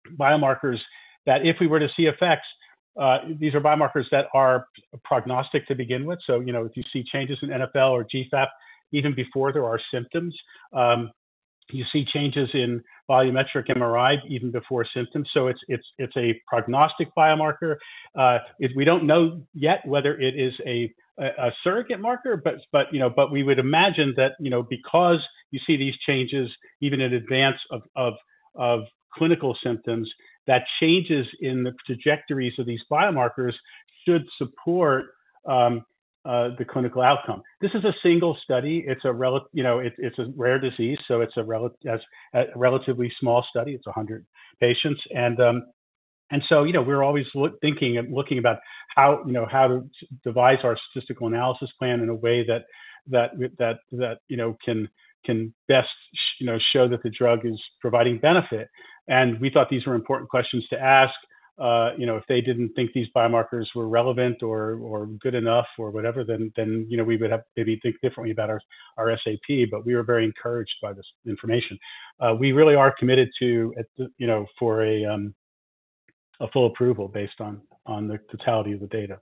proposed were biomarkers that if we were to see effects, these are biomarkers that are prognostic to begin with. So if you see changes in NfL or GFAP, even before there are symptoms, you see changes in volumetric MRI even before symptoms. So it's a prognostic biomarker. We don't know yet whether it is a surrogate marker, but we would imagine that because you see these changes even in advance of clinical symptoms, that changes in the trajectories of these biomarkers should support the clinical outcome. This is a single study. It's a rare disease, so it's a relatively small study. It's 100 patients. And so we're always thinking and looking about how to devise our statistical analysis plan in a way that can best show that the drug is providing benefit. And we thought these were important questions to ask. If they didn't think these biomarkers were relevant or good enough or whatever, then we would have maybe think differently about our SAP. But we were very encouraged by this information. We really are committed to for a full approval based on the totality of the data.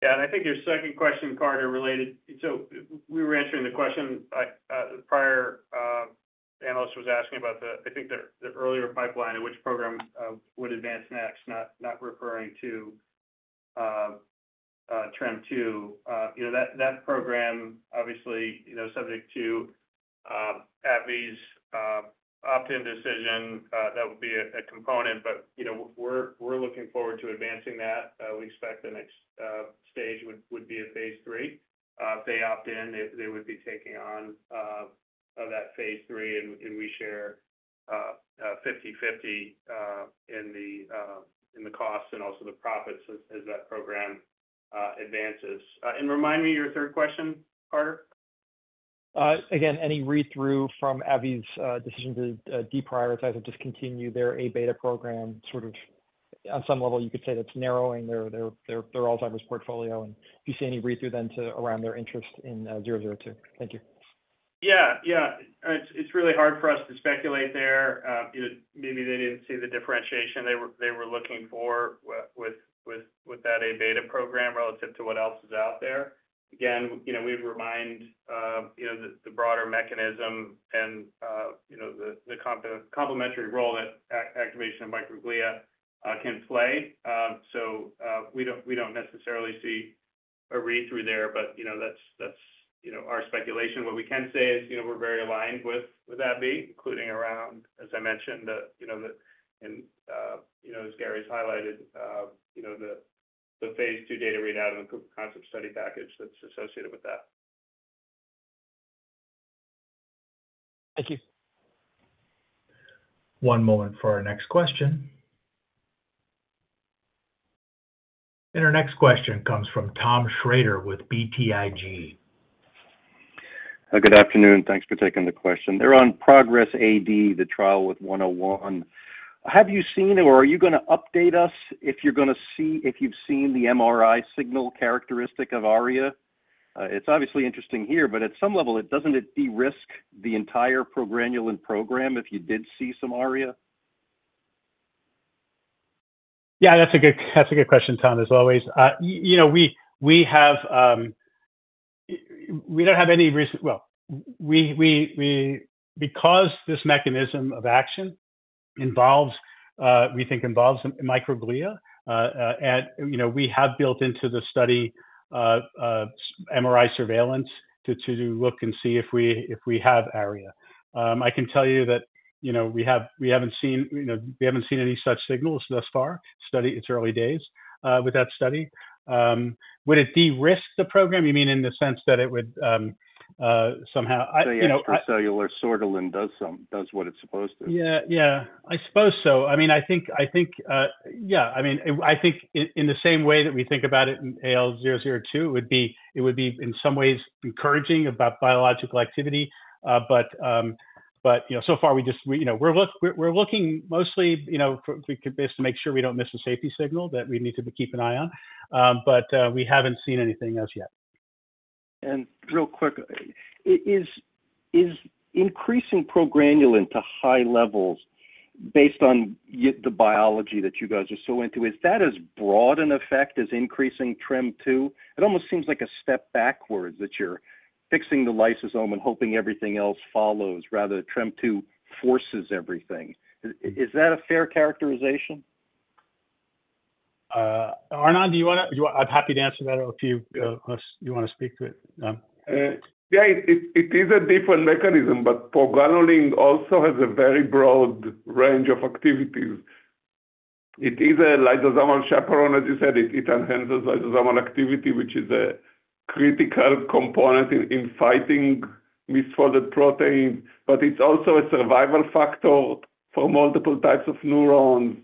Yeah. And I think your second question, Carter, related. So we were answering the question. The prior analyst was asking about the, I think, the earlier pipeline of which program would advance next, not referring to TREM2. That program, obviously, subject to AbbVie's opt-in decision, that would be a component. But we're looking forward to advancing that. We expect the next stage would be a phase III. If they opt in, they would be taking on that phase III. And we share 50/50 in the costs and also the profits as that program advances. And remind me your third question, Carter. Again, any read-through from AbbVie's decision to deprioritize or discontinue their A beta program? Sort of on some level, you could say that's narrowing their Alzheimer's portfolio. And do you see any read-through then around their interest in 002? Thank you. Yeah. Yeah. It's really hard for us to speculate there. Maybe they didn't see the differentiation they were looking for with that A beta program relative to what else is out there. Again, we'd remind the broader mechanism and the complementary role that activation of microglia can play. So we don't necessarily see a read-through there, but that's our speculation. What we can say is we're very aligned with AbbVie, including around, as I mentioned, and as Gary's highlighted, the phase II data readout of the proof of concept study package that's associated with that. Thank you. One moment for our next question. And our next question comes from Tom Shrader with BTIG. Good afternoon. Thanks for taking the question. They're on PROGRESS-AD, the trial with AL101. Have you seen or are you going to update us if you're going to see if you've seen the MRI signal characteristic of ARIA? It's obviously interesting here, but at some level, doesn't it de-risk the entire progranulin program if you did see some ARIA? Yeah. That's a good question, Tom, as always. We don't have any well, because this mechanism of action involves, we think, involves microglia, we have built into the study MRI surveillance to look and see if we have ARIA. I can tell you that we haven't seen any such signals thus far. It's early days with that study. Would it de-risk the program? You mean in the sense that it would somehow? So the extracellular sort of does what it's supposed to. Yeah. Yeah. I suppose so. I mean, I think, yeah. I mean, I think in the same way that we think about it in AL002, it would be in some ways encouraging about biological activity. But so far, we're looking mostly just to make sure we don't miss a safety signal that we need to keep an eye on. But we haven't seen anything else yet. And real quick, is increasing progranulin to high levels based on the biology that you guys are so into, is that as broad an effect as increasing TREM2? It almost seems like a step backwards that you're fixing the lysosome and hoping everything else follows rather than TREM2 forces everything. Is that a fair characterization? Arnon, do you want to? I'm happy to answer that if you want to speak to it. Yeah. It is a different mechanism, but progranulin also has a very broad range of activities. It is a lysosomal chaperone, as you said. It enhances lysosomal activity, which is a critical component in fighting misfolded proteins. But it's also a survival factor for multiple types of neurons.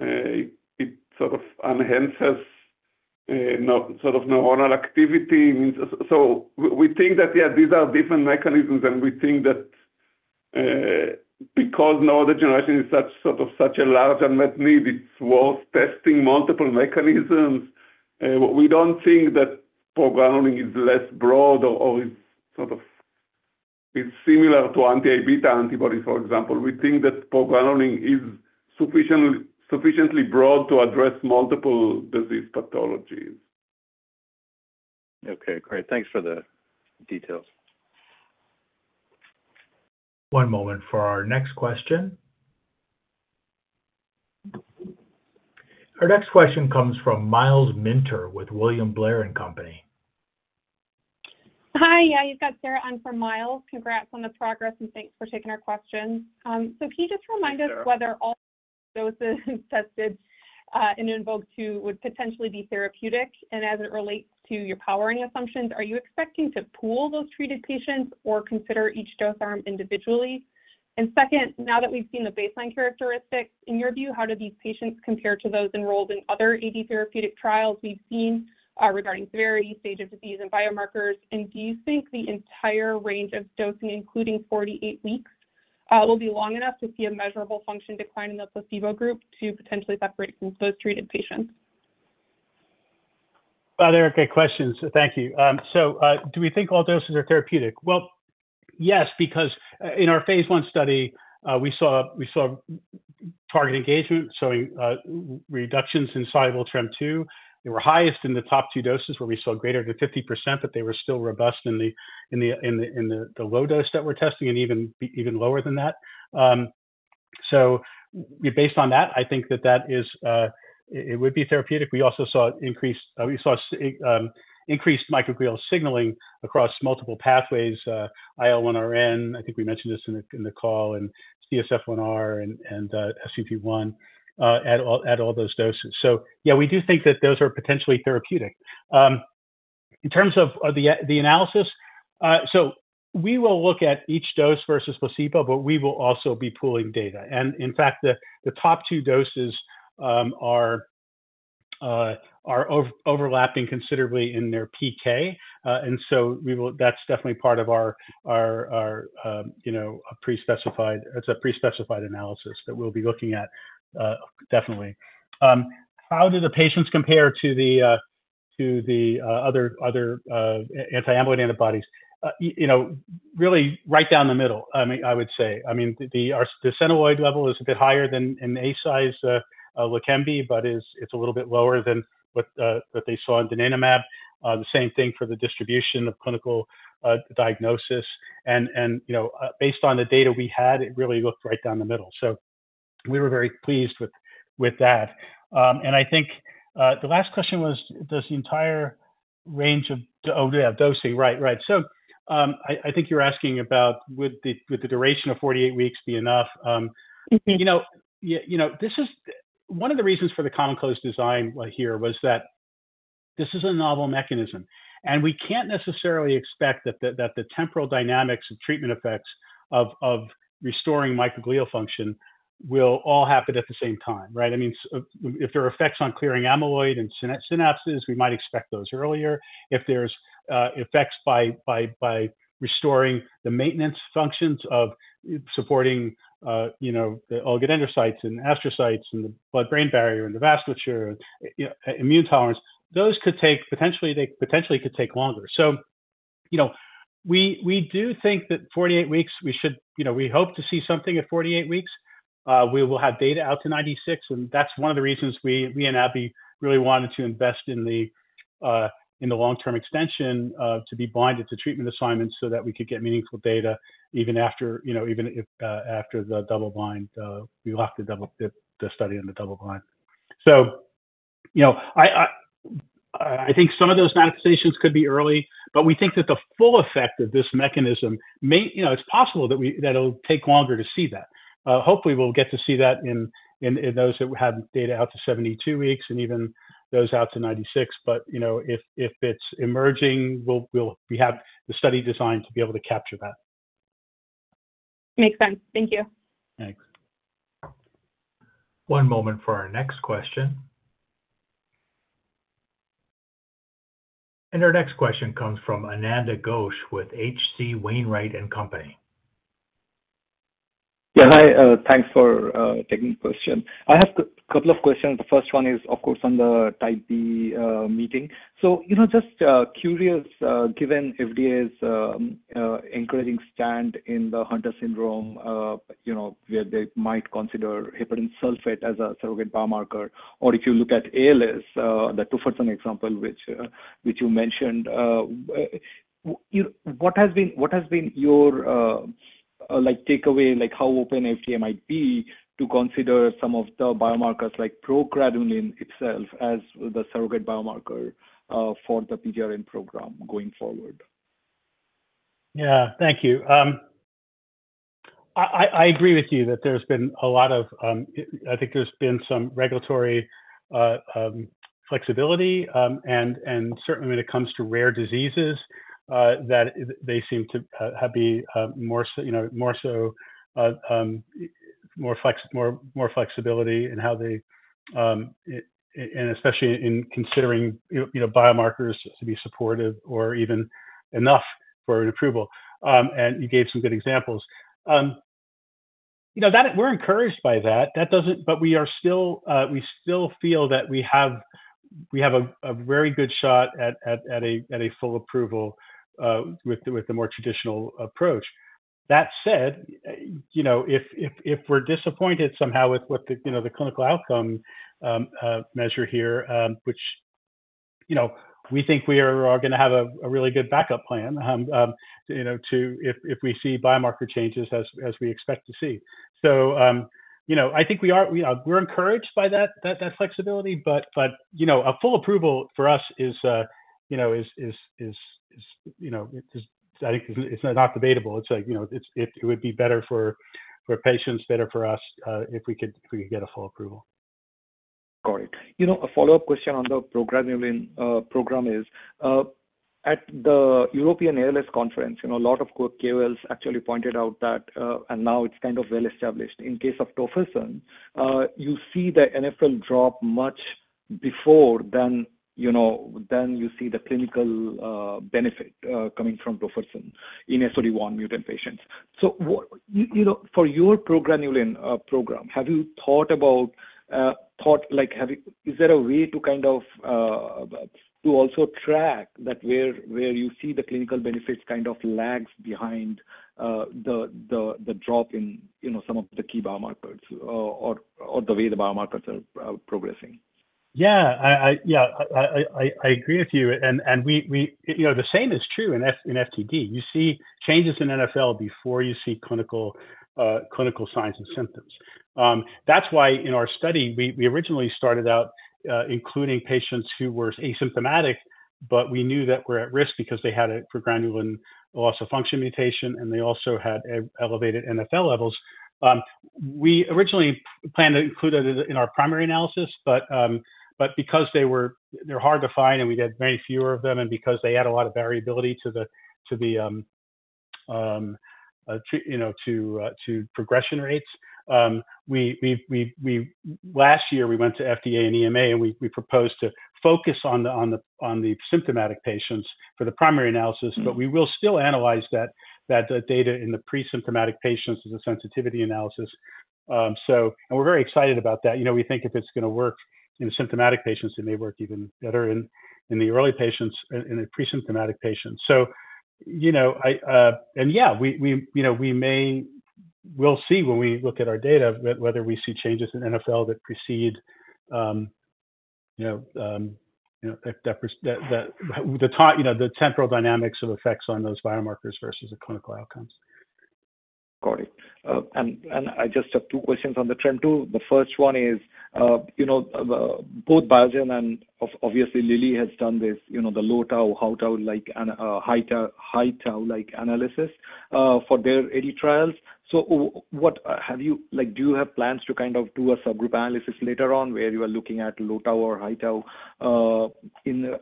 It sort of enhances sort of neuronal activity. So we think that, yeah, these are different mechanisms. And we think that because neurodegeneration is such a large unmet need, it's worth testing multiple mechanisms. We don't think that progranulin is less broad or is sort of similar to anti-A beta antibodies, for example. We think that progranulin is sufficiently broad to address multiple disease pathologies. Okay. Great. Thanks for the details. One moment for our next question. Our next question comes from Myles Minter with William Blair & Company. Hi. Yeah. You've got Sarah Ann from Myles. Congrats on the progress, and thanks for taking our questions. So can you just remind us whether all doses tested in INVOKE-2 would potentially be therapeutic? And as it relates to your powering assumptions, are you expecting to pool those treated patients or consider each dose arm individually? And second, now that we've seen the baseline characteristics, in your view, how do these patients compare to those enrolled in other AD therapeutic trials we've seen regarding severity, stage of disease, and biomarkers? And do you think the entire range of dosing, including 48 weeks, will be long enough to see a measurable function decline in the placebo group to potentially separate from those treated patients? Well, they're great questions. Thank you. So do we think all doses are therapeutic? Well, yes, because in our phase I study, we saw target engagement showing reductions in soluble TREM2. They were highest in the top two doses where we saw greater than 50%, but they were still robust in the low dose that we're testing and even lower than that. Based on that, I think that that is it would be therapeutic. We also saw increased microglial signaling across multiple pathways, IL1RN. I think we mentioned this in the call, and CSF1R and SPP1 at all those doses. Yeah, we do think that those are potentially therapeutic. In terms of the analysis, we will look at each dose versus placebo, but we will also be pooling data. In fact, the top two doses are overlapping considerably in their PK. So that's definitely part of our pre-specified, it's a pre-specified analysis that we'll be looking at, definitely. How do the patients compare to the other anti-amyloid antibodies? Really right down the middle, I would say. I mean, the Centiloid level is a bit higher than an A beta LEQEMBI, but it's a little bit lower than what they saw in donanemab. The same thing for the distribution of clinical diagnosis. And based on the data we had, it really looked right down the middle. So we were very pleased with that. And I think the last question was, does the entire range of, oh, yeah, dosing. Right. Right. So I think you're asking about, would the duration of 48 weeks be enough? This is one of the reasons for the Common Close Design here was that this is a novel mechanism. And we can't necessarily expect that the temporal dynamics of treatment effects of restoring microglial function will all happen at the same time, right? I mean, if there are effects on clearing amyloid and synapses, we might expect those earlier. If there's effects by restoring the maintenance functions of supporting oligodendrocytes and astrocytes and the blood-brain barrier and the vasculature and immune tolerance, those could take, potentially, they potentially could take longer. So we do think that 48 weeks, we should we hope to see something at 48 weeks. We will have data out to 96. And that's one of the reasons we and AbbVie really wanted to invest in the long-term extension to be blinded to treatment assignments so that we could get meaningful data even after the double-blind. We locked the study in the double-blind. So I think some of those manifestations could be early, but we think that the full effect of this mechanism, it's possible that it'll take longer to see that. Hopefully, we'll get to see that in those that have data out to 72 weeks and even those out to 96. But if it's emerging, we'll have the study designed to be able to capture that. Makes sense. Thank you. Thanks. One moment for our next question. And our next question comes from Ananda Ghosh with H.C. Wainwright & Co. Yeah. Hi. Thanks for taking the question. I have a couple of questions. The first one is, of course, on the Type B meeting. So just curious, given FDA's encouraging stand in the Hunter syndrome where they might consider heparin sulfate as a surrogate biomarker, or if you look at ALS, the tofersen example, which you mentioned, what has been your takeaway, how open FDA might be to consider some of the biomarkers like progranulin itself as the surrogate biomarker for the PGRN program going forward? Yeah. Thank you. I agree with you that there's been a lot of—I think there's been some regulatory flexibility. Certainly, when it comes to rare diseases, that they seem to be more so more flexibility in how they, and especially in considering biomarkers to be supportive or even enough for an approval. You gave some good examples. We're encouraged by that. We still feel that we have a very good shot at a full approval with the more traditional approach. That said, if we're disappointed somehow with the clinical outcome measure here, which we think we are going to have a really good backup plan if we see biomarker changes as we expect to see. I think we're encouraged by that flexibility. A full approval for us is, I think, it's not debatable. It's like it would be better for patients, better for us if we could get a full approval. Got it. A follow-up question on the progranulin program is, at the European ALS conference, a lot of KOLs actually pointed out that, and now it's kind of well-established, in case of tofersen, you see the NFL drop much before than you see the clinical benefit coming from tofersen in SOD1 mutant patients. So for your progranulin program, have you thought about—is there a way to kind of also track that where you see the clinical benefits kind of lags behind the drop in some of the key biomarkers or the way the biomarkers are progressing? Yeah. Yeah. I agree with you. And the same is true in FTD. You see changes in NFL before you see clinical signs and symptoms. That's why in our study, we originally started out including patients who were asymptomatic, but we knew that were at risk because they had a progranulin loss of function mutation, and they also had elevated NfL levels. We originally planned to include it in our primary analysis, but because they're hard to find, and we get very few of them, and because they add a lot of variability to the progression rates, last year, we went to FDA and EMA, and we proposed to focus on the symptomatic patients for the primary analysis. But we will still analyze that data in the presymptomatic patients as a sensitivity analysis. And we're very excited about that. We think if it's going to work in symptomatic patients, it may work even better in the early patients and in presymptomatic patients. And yeah, we may, we'll see when we look at our data whether we see changes in NfL that precede the temporal dynamics of effects on those biomarkers versus the clinical outcomes. Got it. And I just have two questions on the TREM2. The first one is both Biogen and obviously, Lilly has done this, the low-tau, high-tau analysis for their phase III trials. So do you have plans to kind of do a subgroup analysis later on where you are looking at low-tau or high-tau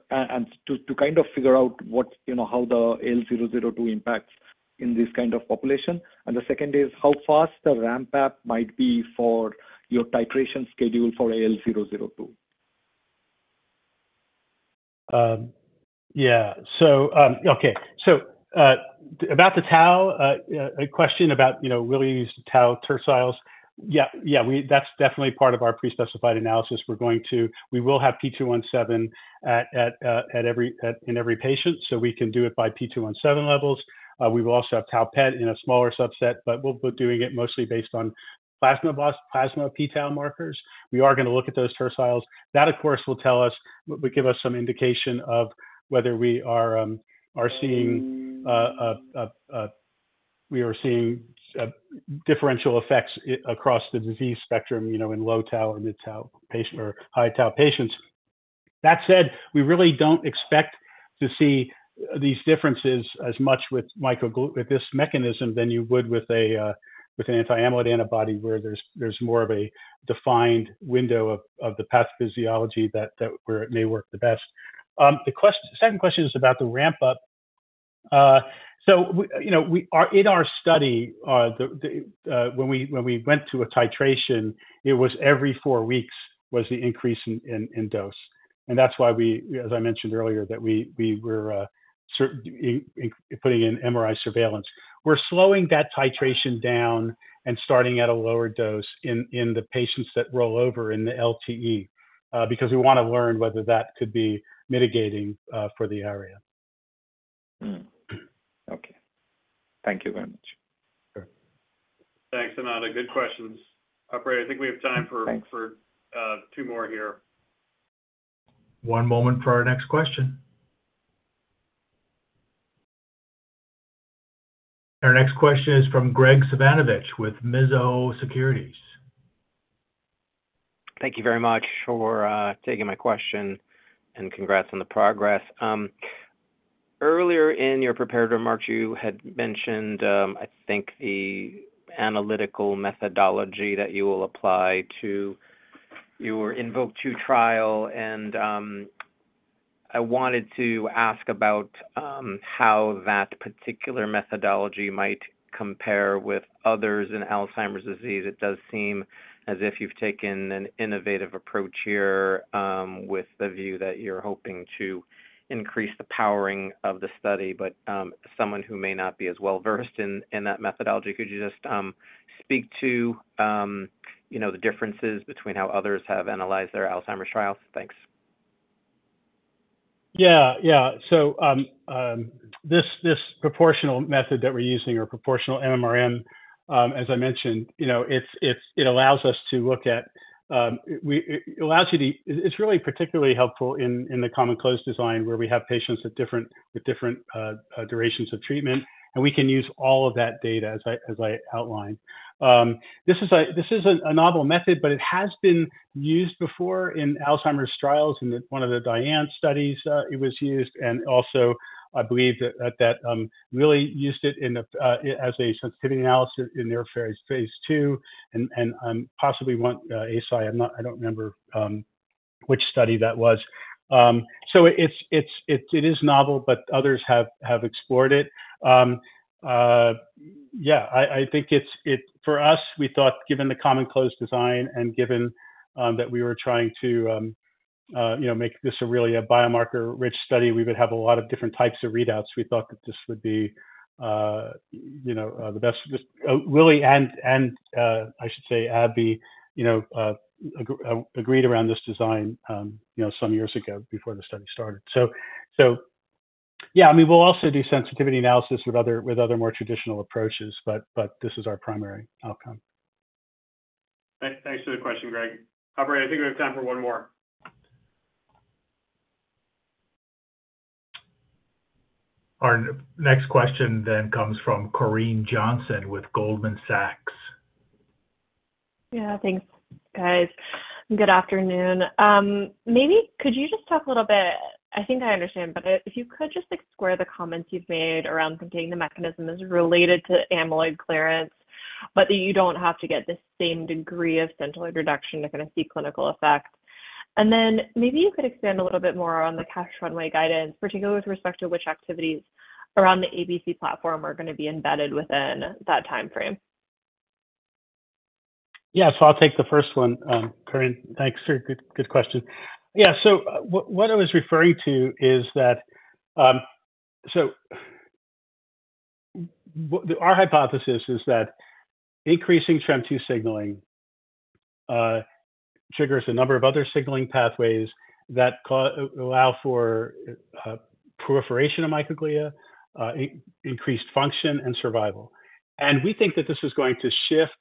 and to kind of figure out how the AL002 impacts in this kind of population? And the second is how fast the ramp-up might be for your titration schedule for AL002? Yeah. Okay. So about the tau, a question about will you use tau tertiles? Yeah. That's definitely part of our pre-specified analysis. We will have p-tau217 in every patient, so we can do it by p-tau217 levels. We will also have tau-PET in a smaller subset, but we'll be doing it mostly based on plasma p-tau markers. We are going to look at those terciles. That, of course, will tell us, will give us some indication of whether we are seeing differential effects across the disease spectrum in low-tau or mid-tau or high-tau patients. That said, we really don't expect to see these differences as much with this mechanism than you would with an anti-amyloid antibody where there's more of a defined window of the pathophysiology where it may work the best. The second question is about the ramp-up. So in our study, when we went to a titration, it was every four weeks was the increase in dose. That's why we, as I mentioned earlier, that we were putting in MRI surveillance. We're slowing that titration down and starting at a lower dose in the patients that roll over in the LTE because we want to learn whether that could be mitigating for the ARIA. Okay. Thank you very much. Thanks, Ananda. Good questions. I think we have time for two more here. One moment for our next question. Our next question is from Graig Suvannavejh with Mizuho Securities. Thank you very much for taking my question and congrats on the progress. Earlier in your prepared remarks, you had mentioned, I think, the analytical methodology that you will apply to your INVOKE-2 trial. I wanted to ask about how that particular methodology might compare with others in Alzheimer's disease. It does seem as if you've taken an innovative approach here with the view that you're hoping to increase the powering of the study. But someone who may not be as well-versed in that methodology, could you just speak to the differences between how others have analyzed their Alzheimer's trials? Thanks. Yeah. Yeah. So this proportional method that we're using, or proportional MMRM, as I mentioned, it allows us to look at. It allows you to, it's really particularly helpful in the Common Close Design where we have patients with different durations of treatment. And we can use all of that data, as I outlined. This is a novel method, but it has been used before in Alzheimer's trials in one of the Lilly studies it was used. And also, I believe that Lilly really used it as a sensitivity analysis in their phase II and possibly one ASI. I don't remember which study that was. So it is novel, but others have explored it. Yeah. I think for us, we thought, given the Common Close Design and given that we were trying to make this really a biomarker-rich study, we would have a lot of different types of readouts. We thought that this would be the best. Lilly and, I should say, AbbVie agreed around this design some years ago before the study started. So yeah, I mean, we'll also do sensitivity analysis with other more traditional approaches, but this is our primary outcome. Thanks for the question, Greg. I think we have time for one more. Our next question then comes from Corinne Jenkins with Goldman Sachs. Yeah. Thanks, guys. Good afternoon. Maybe could you just talk a little bit. I think I understand, but if you could just square the comments you've made around thinking the mechanism is related to amyloid clearance, but that you don't have to get the same degree of central reduction to kind of see clinical effect. And then maybe you could expand a little bit more on the cash runway guidance, particularly with respect to which activities around the ABC platform are going to be embedded within that timeframe. Yeah. So I'll take the first one, Corinne. Thanks. Good question. Yeah. So what I was referring to is that our hypothesis is that increasing TREM2 signaling triggers a number of other signaling pathways that allow for proliferation of microglia, increased function, and survival. And we think that this is going to shift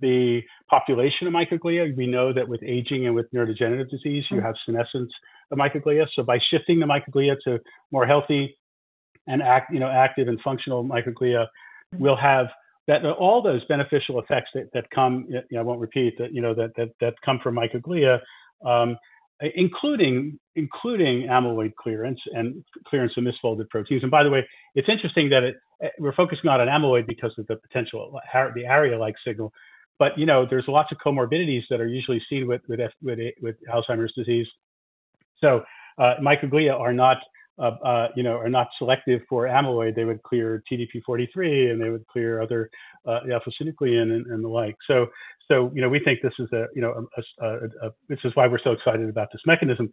the population of microglia. We know that with aging and with neurodegenerative disease, you have senescence of microglia. So by shifting the microglia to more healthy and active and functional microglia, we'll have all those beneficial effects that come—I won't repeat—that come from microglia, including amyloid clearance and clearance of misfolded proteins. And by the way, it's interesting that we're focusing on amyloid because of the potential ARIA-like signal. But there's lots of comorbidities that are usually seen with Alzheimer's disease. So microglia are not selective for amyloid. They would clear TDP-43, and they would clear other alpha-synuclein and the like. So we think this is a—this is why we're so excited about this mechanism.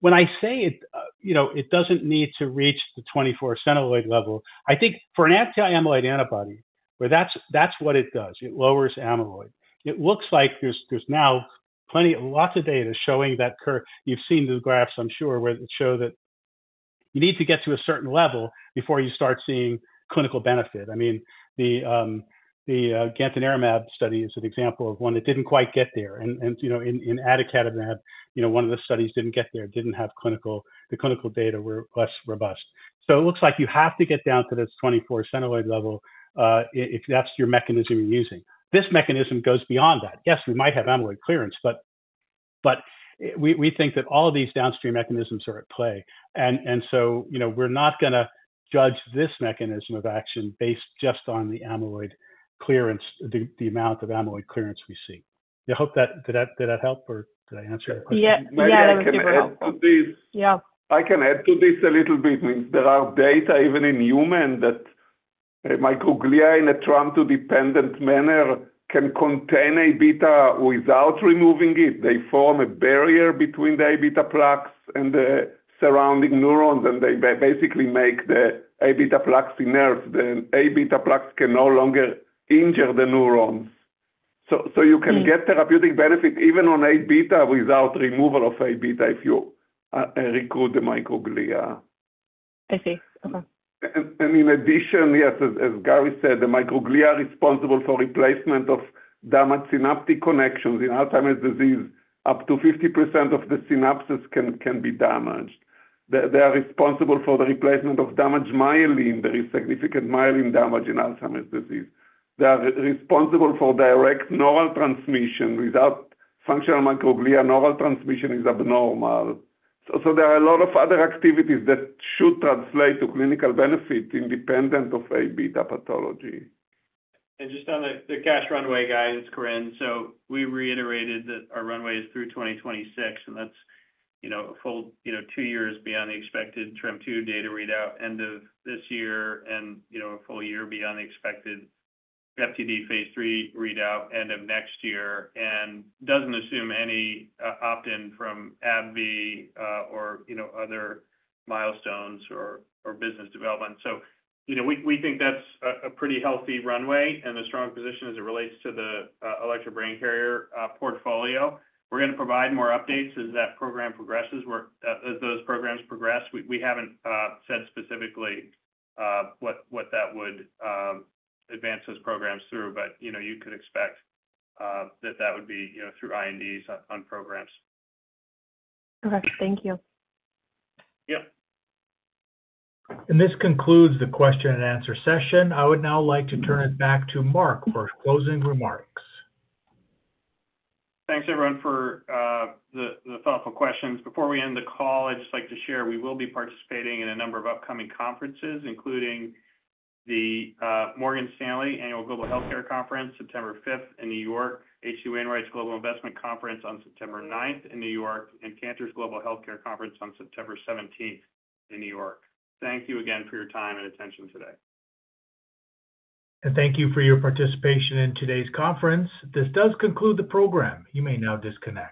When I say it doesn't need to reach the 24 Centiloid level, I think for an anti-amyloid antibody, that's what it does. It lowers amyloid. It looks like there's now lots of data showing that curve. You've seen the graphs, I'm sure, where it showed that you need to get to a certain level before you start seeing clinical benefit. I mean, the gantenerumab study is an example of one that didn't quite get there. And in aducanumab, one of the studies didn't get there. It didn't have the clinical data were less robust. So it looks like you have to get down to this 24 Centiloid level if that's your mechanism you're using. This mechanism goes beyond that. Yes, we might have amyloid clearance, but we think that all of these downstream mechanisms are at play. And so we're not going to judge this mechanism of action based just on the amyloid clearance, the amount of amyloid clearance we see. I hope did that help, or did I answer your question? Yeah. That can be helpful. I can add to this a little bit. There are data even in human that microglia in a TREM2-dependent manner can contain Aβ without removing it. They form a barrier between the Aβ plaques and the surrounding neurons, and they basically make the Aβ plaques inert, then Aβ plaques can no longer injure the neurons. So you can get therapeutic benefit even on Aβ without removal of Aβ if you recruit the microglia. I see. Okay. And in addition, yes, as Gary said, the microglia are responsible for replacement of damaged synaptic connections. In Alzheimer's disease, up to 50% of the synapses can be damaged. They are responsible for the replacement of damaged myelin. There is significant myelin damage in Alzheimer's disease. They are responsible for direct neural transmission. Without functional microglia, neural transmission is abnormal. So there are a lot of other activities that should translate to clinical benefit independent of Aβ pathology. And just on the cash runway guidance, Corinne, so we reiterated that our runway is through 2026, and that's a full two years beyond the expected TREM2 data readout end of this year and a full year beyond the expected FTD phase III readout end of next year. And it doesn't assume any opt-in from AbbVie or other milestones or business development. So we think that's a pretty healthy runway and a strong position as it relates to the Alector Brain Carrier portfolio. We're going to provide more updates as that program progresses, as those programs progress. We haven't said specifically what that would advance those programs through, but you could expect that that would be through INDs on programs. Okay. Thank you. Yeah. And this concludes the question-and-answer session. I would now like to turn it back to Marc for closing remarks. Thanks, everyone, for the thoughtful questions. Before we end the call, I'd just like to share we will be participating in a number of upcoming conferences, including the Morgan Stanley Annual Global Healthcare Conference, September 5th in New York, H.C. Wainwright Global Investment Conference on September 9th in New York, and Cantor's Global Healthcare Conference on September 17th in New York. Thank you again for your time and attention today. Thank you for your participation in today's conference. This does conclude the program. You may now disconnect.